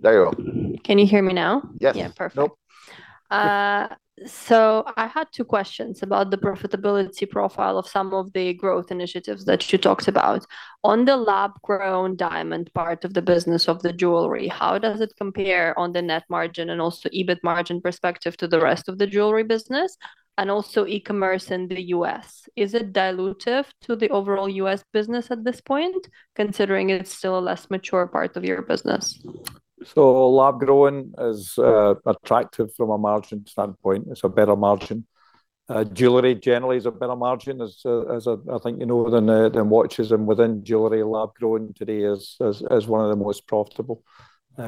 There you go. Can you hear me now? Yes. Yeah, perfect. I had two questions about the profitability profile of some of the growth initiatives that you talked about. On the lab-grown diamond part of the business of the jewelry, how does it compare on the net margin and also EBIT margin perspective to the rest of the jewelry business, and also e-commerce in the U.S.? Is it dilutive to the overall U.S. business at this point, considering it's still a less mature part of your business? Lab-grown is attractive from a margin standpoint. It's a better margin. Jewelry generally is a better margin, as I think you know, than watches and within jewelry, lab-grown today is one of the most profitable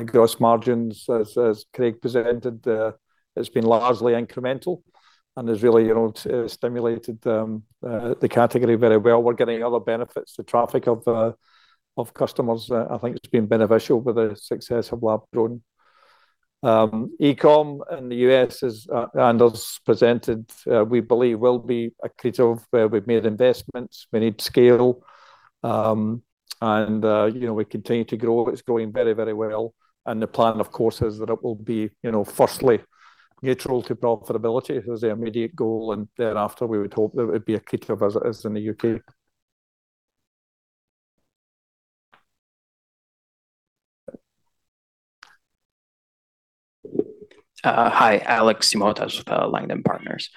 gross margins. As Craig presented, it's been largely incremental and has really stimulated the category very well. We're getting other benefits. The traffic of customers, I think it's been beneficial with the success of lab-grown. E-com in the U.S. is, Anders presented, we believe will be accretive where we've made investments. We need scale. We continue to grow. It's growing very well. The plan, of course, is that it will be firstly neutral to profitability as the immediate goal, and thereafter, we would hope that it would be accretive as it is in the U.K. Hi, Alex Simotas with Langdon Partners.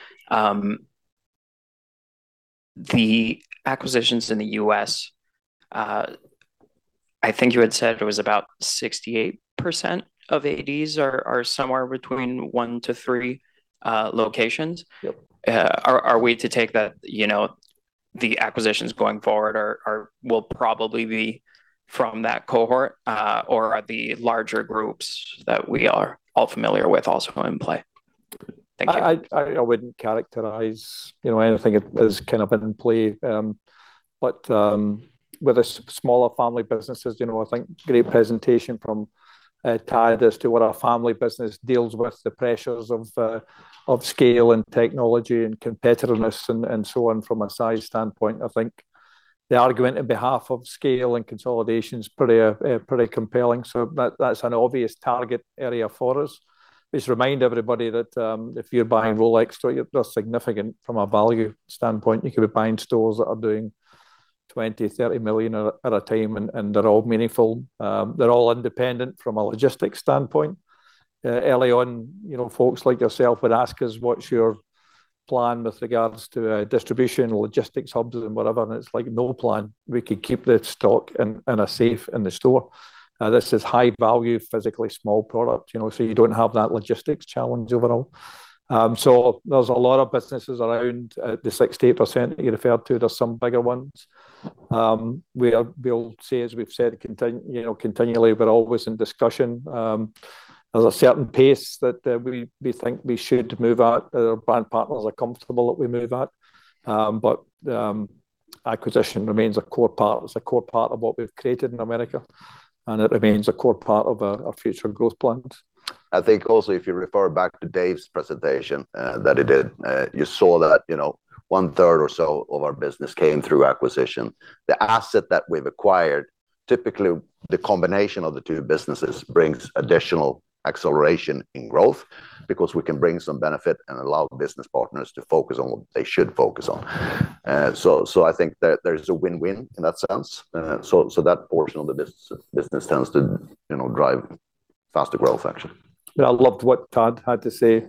The acquisitions in the U.S., I think you had said it was about 68% of ADs are somewhere between one to three locations. Yep. Are we to take that the acquisitions going forward will probably be from that cohort? Are the larger groups that we are all familiar with also in play? Thank you. I wouldn't characterize anything as kind of in play. With the smaller family businesses, I think great presentation from Tad as to what our family business deals with, the pressures of scale and technology and competitiveness and so on from a size standpoint. I think the argument on behalf of scale and consolidation is pretty compelling. That's an obvious target area for us. Just remind everybody that if you're buying Rolex store, they're significant from a value standpoint. You could be buying stores that are doing 20 million, 30 million at a time, and they're all meaningful. They're all independent from a logistics standpoint. Early on, folks like yourself would ask us, "What's your plan with regards to distribution, logistics hubs, and whatever?" It's like, "No plan." We could keep the stock in a safe in the store. This is high value, physically small product, you don't have that logistics challenge overall. There's a lot of businesses around the 68% that you referred to. There's some bigger ones. We'll say, as we've said continually, we're always in discussion. There's a certain pace that we think we should move at, our brand partners are comfortable that we move at. Acquisition remains a core part. It's a core part of what we've created in America, and it remains a core part of our future growth plans. I think also if you refer back to David's presentation that he did, you saw that one third or so of our business came through acquisition. The asset that we've acquired, typically, the combination of the two businesses brings additional acceleration in growth because we can bring some benefit and allow business partners to focus on what they should focus on. I think there's a win-win in that sense. That portion of the business tends to drive faster growth actually. I loved what Tad had to say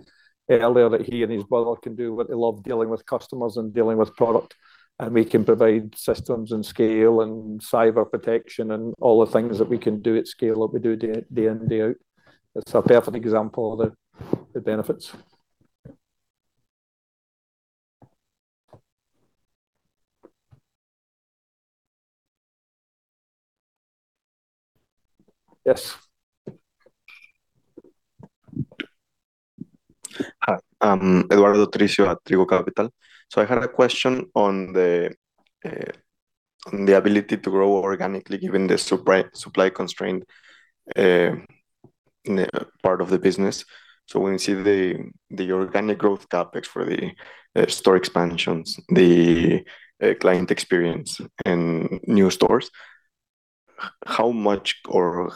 earlier, that he and his brother can do what they love, dealing with customers and dealing with product, and we can provide systems and scale and cyber protection and all the things that we can do at scale that we do day in, day out. It's a perfect example of the benefits. Yes? Hi, Eduardo Tricio at Trigo Capital. I had a question on the ability to grow organically given the supply constraint part of the business. When you see the organic growth CapEx for the store expansions, the client experience in new stores, how much or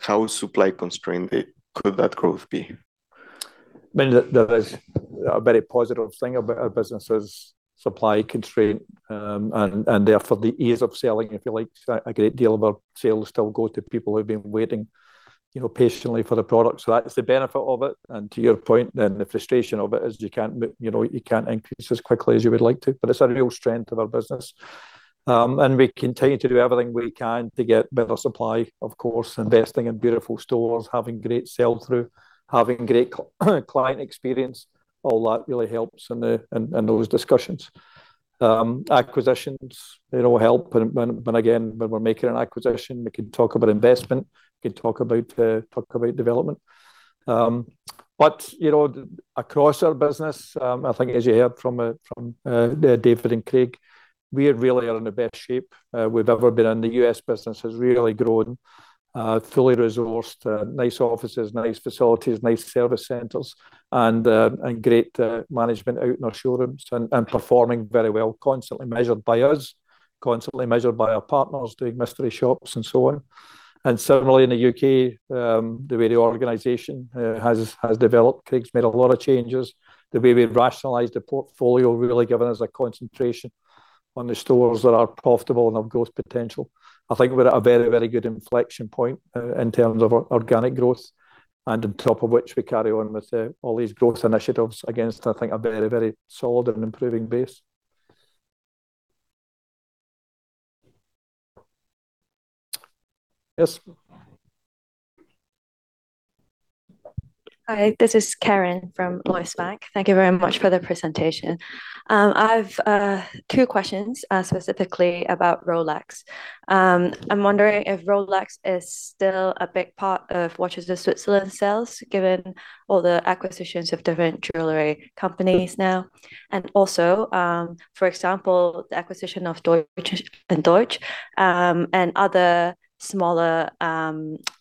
how supply constrained could that growth be? There is a very positive thing about our business is supply constraint, and therefore the ease of selling, if you like. A great deal of our sales still go to people who've been waiting patiently for the product. That's the benefit of it. To your point, then the frustration of it is you can't increase as quickly as you would like to. It's a real strength of our business. We continue to do everything we can to get better supply, of course, investing in beautiful stores, having great sell-through, having great client experience. All that really helps in those discussions. Acquisitions help when, again, when we're making an acquisition, we can talk about investment, we can talk about development. Across our business, I think as you heard from David and Craig, we really are in the best shape we've ever been in. The U.S. business has really grown, fully resourced, nice offices, nice facilities, nice service centers, and great management out in our showrooms and performing very well, constantly measured by us, constantly measured by our partners, doing mystery shops and so on. Certainly in the U.K., the way the organization has developed, Craig's made a lot of changes. The way we rationalized the portfolio really given us a concentration on the stores that are profitable and have growth potential. I think we're at a very good inflection point in terms of organic growth and on top of which we carry on with all these growth initiatives against, I think, a very solid and improving base. Yes? Hi, this is Karen from Lloyds Bank. Thank you very much for the presentation. I have two questions specifically about Rolex. I am wondering if Rolex is still a big part of Watches of Switzerland sales, given all the acquisitions of different jewelry companies now, and also, for example, the acquisition of Deutsch and other smaller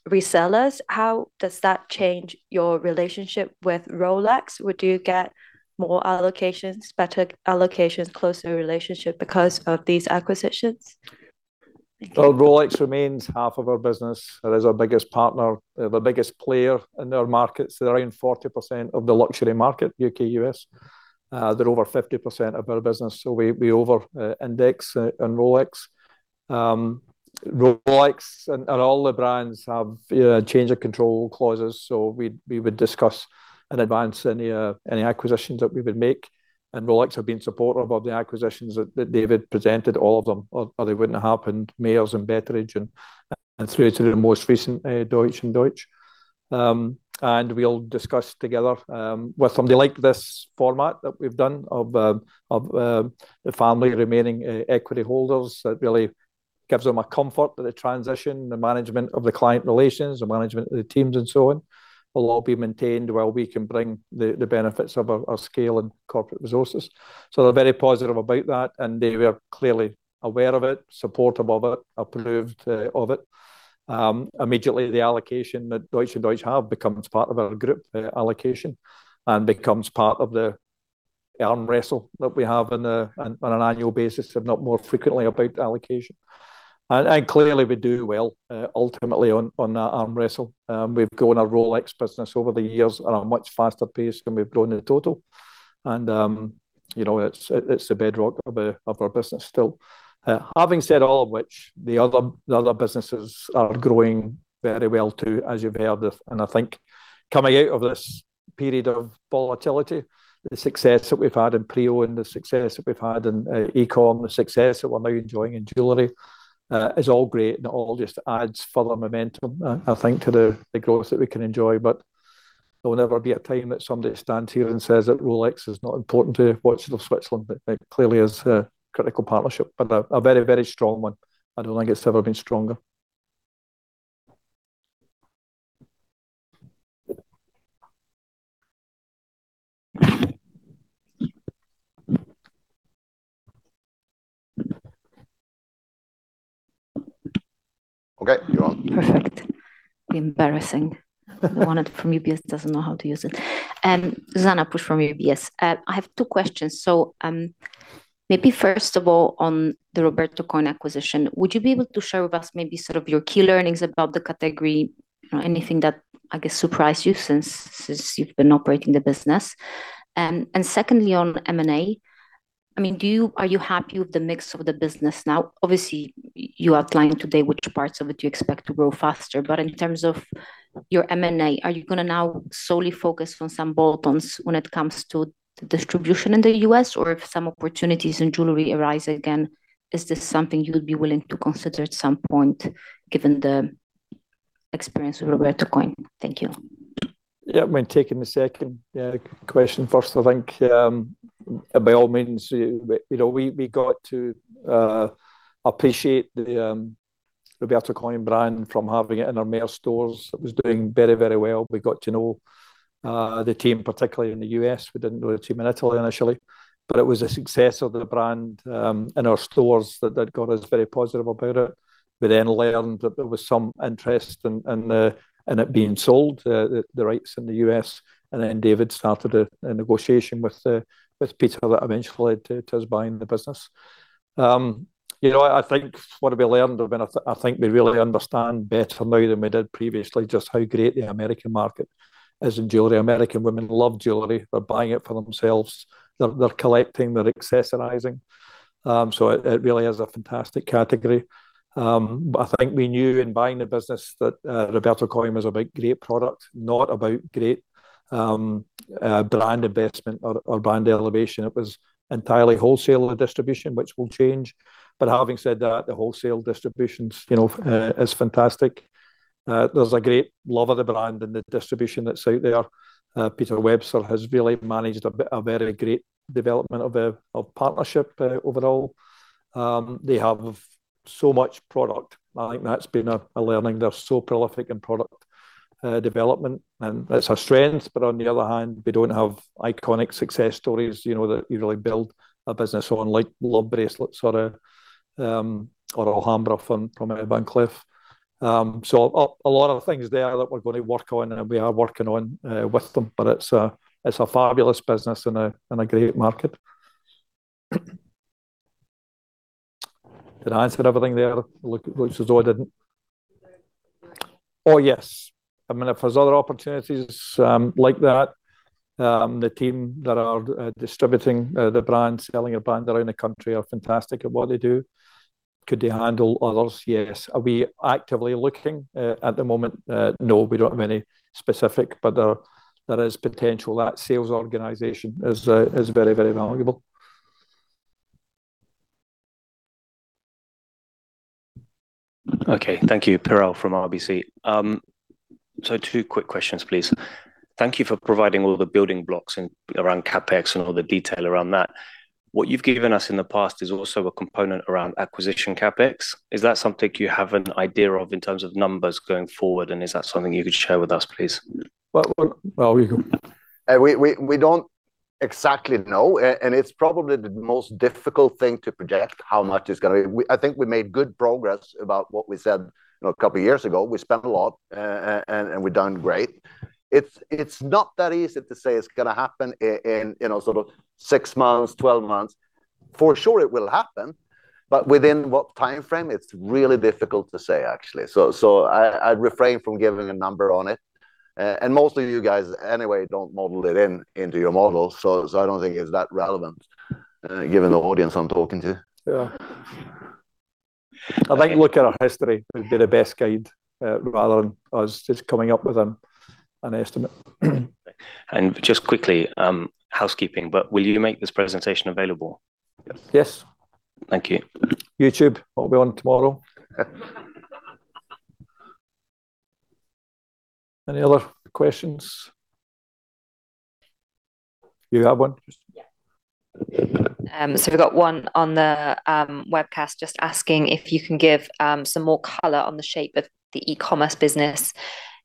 resellers. How does that change your relationship with Rolex? Would you get more allocations, better allocations, closer relationship because of these acquisitions? Thank you. Rolex remains half of our business. It is our biggest partner, the biggest player in our markets. They are around 40% of the luxury market, U.K., U.S. They are over 50% of our business. We over index in Rolex. Rolex and all the brands have change of control clauses. We would discuss in advance any acquisitions that we would make. Rolex have been supportive of the acquisitions that David presented, all of them, or they wouldn't have happened, Mayors and Betteridge and through to the most recent, Deutsch & Deutsch. We will discuss together with something like this format that we have done of the family remaining equity holders. That really gives them a comfort that the transition, the management of the client relations, the management of the teams and so on, will all be maintained while we can bring the benefits of our scale and corporate resources. They are very positive about that, and they were clearly aware of it, supportive of it, approved of it. Immediately, the allocation that Deutsch & Deutsch have becomes part of our group allocation and becomes part of the arm wrestle that we have on an annual basis, if not more frequently, about allocation. Clearly we do well ultimately on that arm wrestle. We have grown our Rolex business over the years at a much faster pace than we have grown in total. It is the bedrock of our business still. Having said all of which, the other businesses are growing very well, too, as you have heard. I think coming out of this period of volatility, the success that we have had in pre-owned, the success that we have had in e-com, the success that we are now enjoying in jewelry is all great and it all just adds further momentum, I think, to the growth that we can enjoy. There will never be a time that somebody stands here and says that Rolex is not important to Watches of Switzerland. It clearly is a critical partnership, but a very strong one. I don't think it has ever been stronger. Okay, you're on. Perfect. Embarrassing. The one from UBS doesn't know how to use it. Zuzanna Pusz from UBS. I have two questions. Maybe first of all, on the Roberto Coin acquisition, would you be able to share with us maybe sort of your key learnings about the category or anything that I guess surprised you since you've been operating the business? Secondly, on M&A, are you happy with the mix of the business now? Obviously, you outlined today which parts of it you expect to grow faster. In terms of your M&A, are you going to now solely focus on some bolt-ons when it comes to the distribution in the U.S.? Or if some opportunities in jewelry arise again, is this something you'll be willing to consider at some point given the experience with Roberto Coin? Thank you. Yeah. Taking the second question first, I think by all means, we got to appreciate the Roberto Coin brand from having it in our Mayors stores. It was doing very well. We got to know the team, particularly in the U.S. We didn't know the team in Italy initially. It was a success of the brand, in our stores that got us very positive about it. We then learned that there was some interest in it being sold, the rights in the U.S., David started a negotiation with Peter that eventually led to us buying the business. I think what we learned, I think we really understand better now than we did previously just how great the American market is in jewelry. American women love jewelry. They're buying it for themselves. They're collecting, they're accessorizing. It really is a fantastic category. I think we knew in buying the business that Roberto Coin was about great product, not about great brand investment or brand elevation. It was entirely wholesale distribution, which will change. Having said that, the wholesale distribution is fantastic. There's a great love of the brand and the distribution that's out there. Peter Webster has really managed a very great development of partnership overall. They have so much product. I think that's been a learning. They're so prolific in product development, and it's a strength. On the other hand, they don't have iconic success stories, that you really build a business on, like Love Bracelets or Alhambra from Van Cleef. A lot of things there that we're going to work on and we are working on with them, but it's a fabulous business and a great market. Did I answer everything there? It looks as though I didn't. Oh, yes. If there's other opportunities like that, the team that are distributing the brand, selling the brand around the country are fantastic at what they do. Could they handle others? Yes. Are we actively looking at the moment? No, we don't have any specific, but there is potential. That sales organization is very valuable. Okay, thank you. Piral from RBC. Two quick questions, please. Thank you for providing all the building blocks around CapEx and all the detail around that. What you've given us in the past is also a component around acquisition CapEx. Is that something you have an idea of in terms of numbers going forward, and is that something you could share with us, please? Well, we don't exactly know, and it's probably the most difficult thing to project how much. I think we made good progress about what we said a couple of years ago. We spent a lot, and we've done great. It's not that easy to say it's going to happen in sort of six months, 12 months. For sure it will happen, but within what timeframe, it's really difficult to say, actually. I'd refrain from giving a number on it. Most of you guys anyway, don't model it in into your models, so I don't think it's that relevant given the audience I'm talking to. Yeah. I think looking at our history would be the best guide rather than us just coming up with an estimate. Just quickly, housekeeping, but will you make this presentation available? Yes. Yes. Thank you. YouTube, it'll be on tomorrow. Any other questions? You have one? We got one on the webcast just asking if you can give some more color on the shape of the e-commerce business,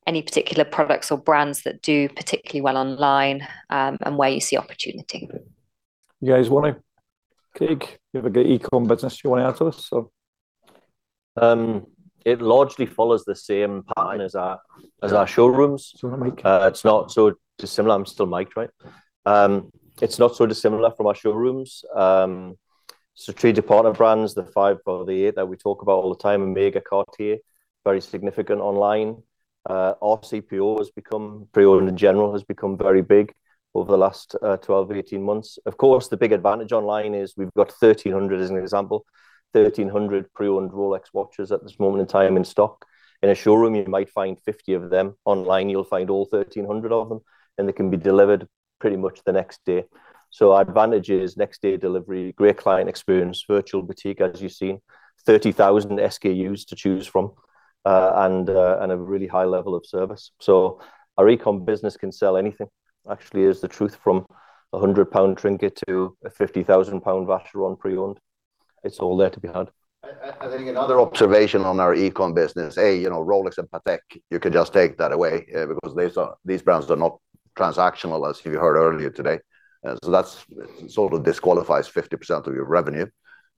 any particular products or brands that do particularly well online, and where you see opportunity. You guys want to take, give a good e-com business you want to add to this or? It largely follows the same pattern as our showrooms. Is it on mic? It's not so dissimilar. I'm still mic'd, right? It's not so dissimilar from our showrooms. Trade partner brands, the five or the eight that we talk about all the time, Omega, Cartier, very significant online. Our CPO in general has become very big over the last 12, 18 months. Of course, the big advantage online is we've got 1,300, as an example, 1,300 pre-owned Rolex watches at this moment in time in stock. In a showroom, you might find 50 of them. Online, you'll find all 1,300 of them, and they can be delivered pretty much the next day. Our advantage is next day delivery, great client experience, virtual boutique, as you've seen, 30,000 SKUs to choose from, and a really high level of service. Our e-com business can sell anything. Actually, here's the truth, from a 100 pound trinket to a 50,000 pound Vacheron pre-owned, it's all there to be had. I think another observation on our e-com business, A, Rolex and Patek, you can just take that away because these brands are not transactional as you heard earlier today. That sort of disqualifies 50% of your revenue.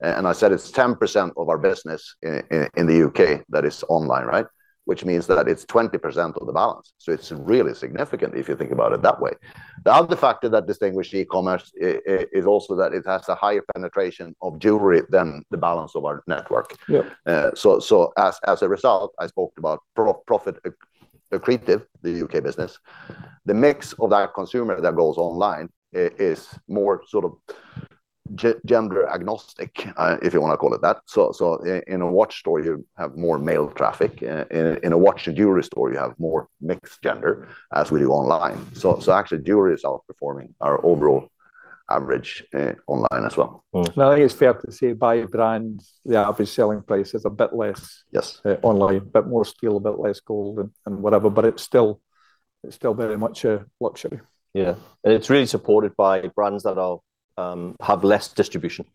I said it's 10% of our business in the U.K. that is online, right? Which means that it's 20% of the balance. It's really significant if you think about it that way. The other factor that distinguished e-commerce is also that it has a higher penetration of jewelry than the balance of our network. Yep. As a result, I spoke about profit accretive, the U.K. business. The mix of that consumer that goes online, is more sort of gender agnostic, if you want to call it that. In a watch store, you have more male traffic. In a watch and jewelry store, you have more mixed gender, as we do online. Actually jewelry is outperforming our overall average online as well. I think it's fair to say by brand, the average selling price is a bit less online, a bit more steel, a bit less gold and whatever. It's still very much a luxury. Yeah. It's really supported by brands that have less distribution.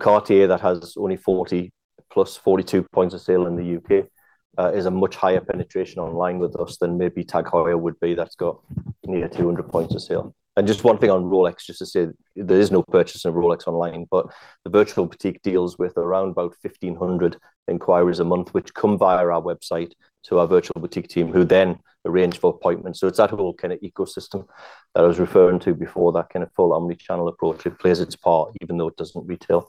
Cartier that has only 40, +42 points of sale in the U.K., is a much higher penetration online with us than maybe TAG Heuer would be that's got near 200 points of sale. Just one thing on Rolex, just to say there is no purchase on Rolex online. The virtual boutique deals with around about 1,500 inquiries a month, which come via our website to our virtual boutique team who then arrange for appointments. It's that whole kind of ecosystem that I was referring to before, that kind of full omnichannel approach. It plays its part even though it doesn't retail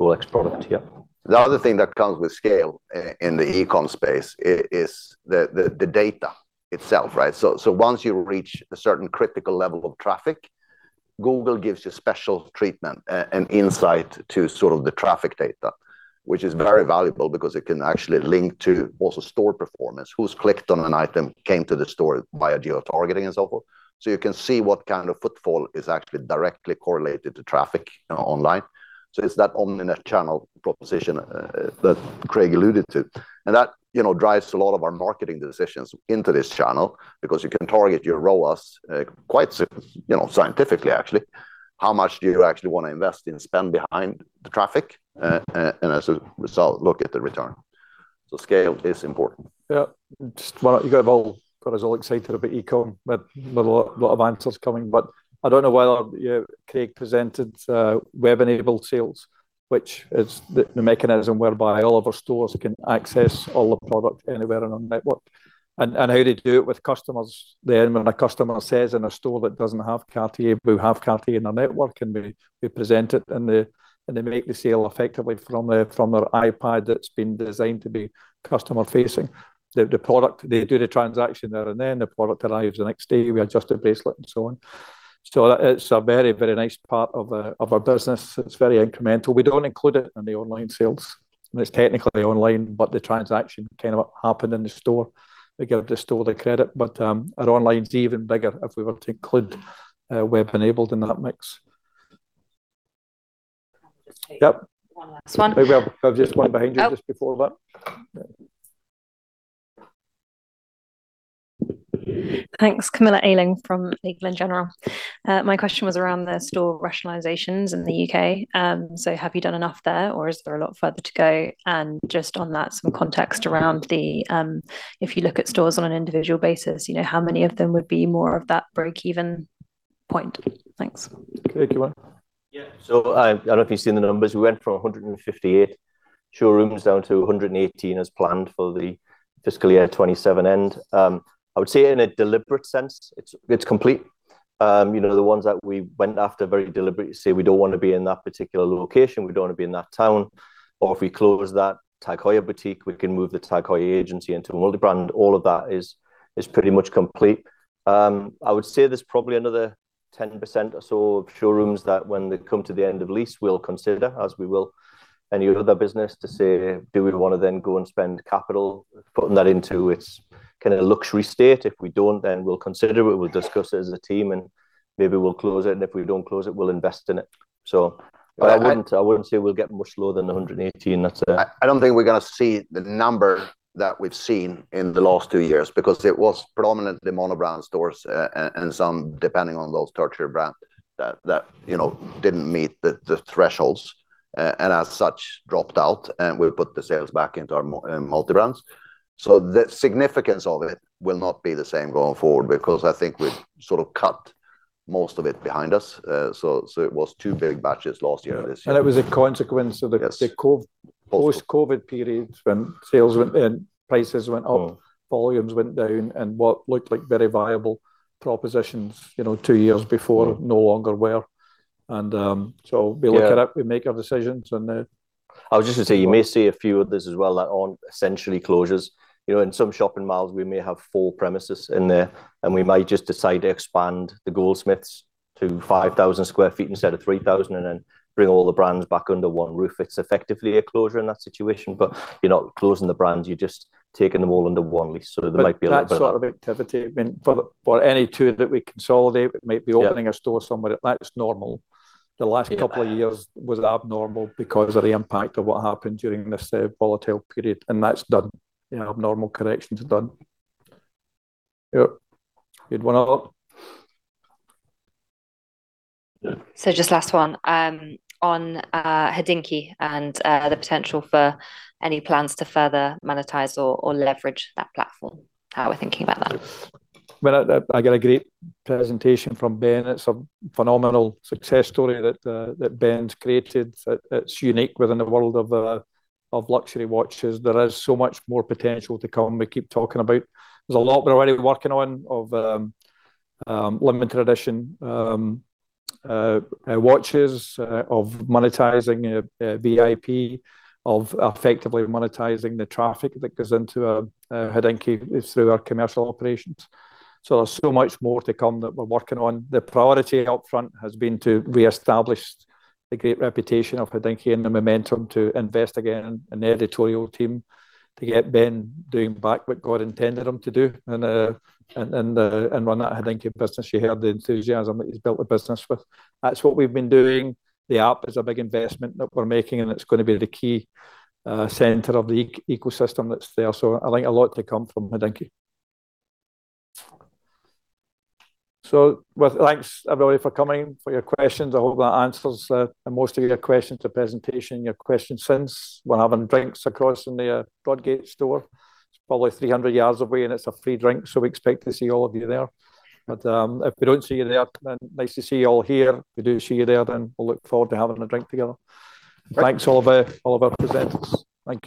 Rolex product. Yep. The other thing that comes with scale in the e-com space is the data itself, right. Once you reach a certain critical level of traffic, Google gives you special treatment and insight to sort of the traffic data, which is very valuable because it can actually link to also store performance, who's clicked on an item, came to the store via geo-targeting and so forth. You can see what kind of footfall is actually directly correlated to traffic online. It's that omni-channel proposition that Craig alluded to. That drives a lot of our marketing decisions into this channel because you can target your ROAS quite scientifically, actually. How much do you actually want to invest in spend behind the traffic? As a result, look at the return. Scale is important. Yeah. Just, well, you got us all excited about e-com with a lot of answers coming. I don't know whether Craig presented web-enabled sales, which is the mechanism whereby all of our stores can access all the product anywhere in our network, and how to do it with customers. When a customer says in a store that doesn't have Cartier, we have Cartier in our network, and we present it, and they make the sale effectively from their iPad that's been designed to be customer facing. The product, they do the transaction there and then, the product arrives the next day, we adjust the bracelet and so on. It's a very nice part of our business. It's very incremental. We don't include it in the online sales. It's technically online. The transaction kind of happened in the store. They give the store the credit, our online is even bigger if we were to include web-enabled in that mix. One last one. We have just one behind you just before that. Thanks. Camilla Ayling from Legal & General. My question was around the store rationalizations in the U.K. Have you done enough there or is there a lot further to go? Just on that, some context around the, if you look at stores on an individual basis, how many of them would be more of that break-even point? Thanks. Craig, you want to? Yeah. I don't know if you've seen the numbers. We went from 158 showrooms down to 118 as planned for the fiscal year 2027 end. I would say in a deliberate sense, it's complete. The ones that we went after very deliberately to say we don't want to be in that particular location, we don't want to be in that town, or if we close that TAG Heuer boutique, we can move the TAG Heuer agency into multi-brand. All of that is pretty much complete. I would say there's probably another 10% or so of showrooms that when they come to the end of lease, we'll consider as we will any other business to say, do we want to then go and spend capital putting that into its kind of luxury state? If we don't, then we'll consider it, we'll discuss it as a team, and maybe we'll close it, and if we don't close it, we'll invest in it. I wouldn't say we'll get much lower than 118. I don't think we're going to see the number that we've seen in the last two years because it was predominantly monobrand stores, and some depending on those tertiary brand that didn't meet the thresholds, and as such dropped out, and we put the sales back into our multi-brands. The significance of it will not be the same going forward because I think we've sort of cut most of it behind us. It was two big batches last year and this year. Yeah. It was a consequence of. Post-COVID period when sales went in, prices went up, volumes went down, and what looked like very viable propositions two years before no longer were. We look at it, we make our decisions. I was just going to say, you may see a few of these as well that aren't essentially closures. In some shopping malls, we may have four premises in there, and we might just decide to expand the Goldsmiths to 5,000 sq ft instead of 3,000 and then bring all the brands back under one roof. It's effectively a closure in that situation, but you're not closing the brands, you're just taking them all under one lease. There might be a little bit. That sort of activity, for any two that we consolidate, might be opening a store somewhere. That's normal. The last couple of years was abnormal because of the impact of what happened during this volatile period, and that's done. The abnormal correction's done. Yep. Good one. Other? Just last one. On Hodinkee and the potential for any plans to further monetize or leverage that platform, how are we thinking about that? Well, I got a great presentation from Ben. It's a phenomenal success story that Ben's created that's unique within the world of luxury watches. There is so much more potential to come. We keep talking about there's a lot we're already working on of limited edition watches of monetizing VIP, of effectively monetizing the traffic that goes into Hodinkee through our commercial operations. There's so much more to come that we're working on. The priority up front has been to reestablish the great reputation of Hodinkee and the momentum to invest again in the editorial team to get Ben doing back what God intended him to do and run that Hodinkee business. You heard the enthusiasm that he's built the business with. That's what we've been doing. The app is a big investment that we're making, and it's going to be the key center of the ecosystem that's there. I think a lot to come from Hodinkee. With thanks everybody for coming, for your questions. I hope that answers most of your questions to presentation, your questions since. We're having drinks across in the Broadgate store. It's probably 300 yards away, and it's a free drink, so we expect to see all of you there. If we don't see you there, nice to see you all here. If we do see you there, we'll look forward to having a drink together. Thanks all of our presenters. Thank you.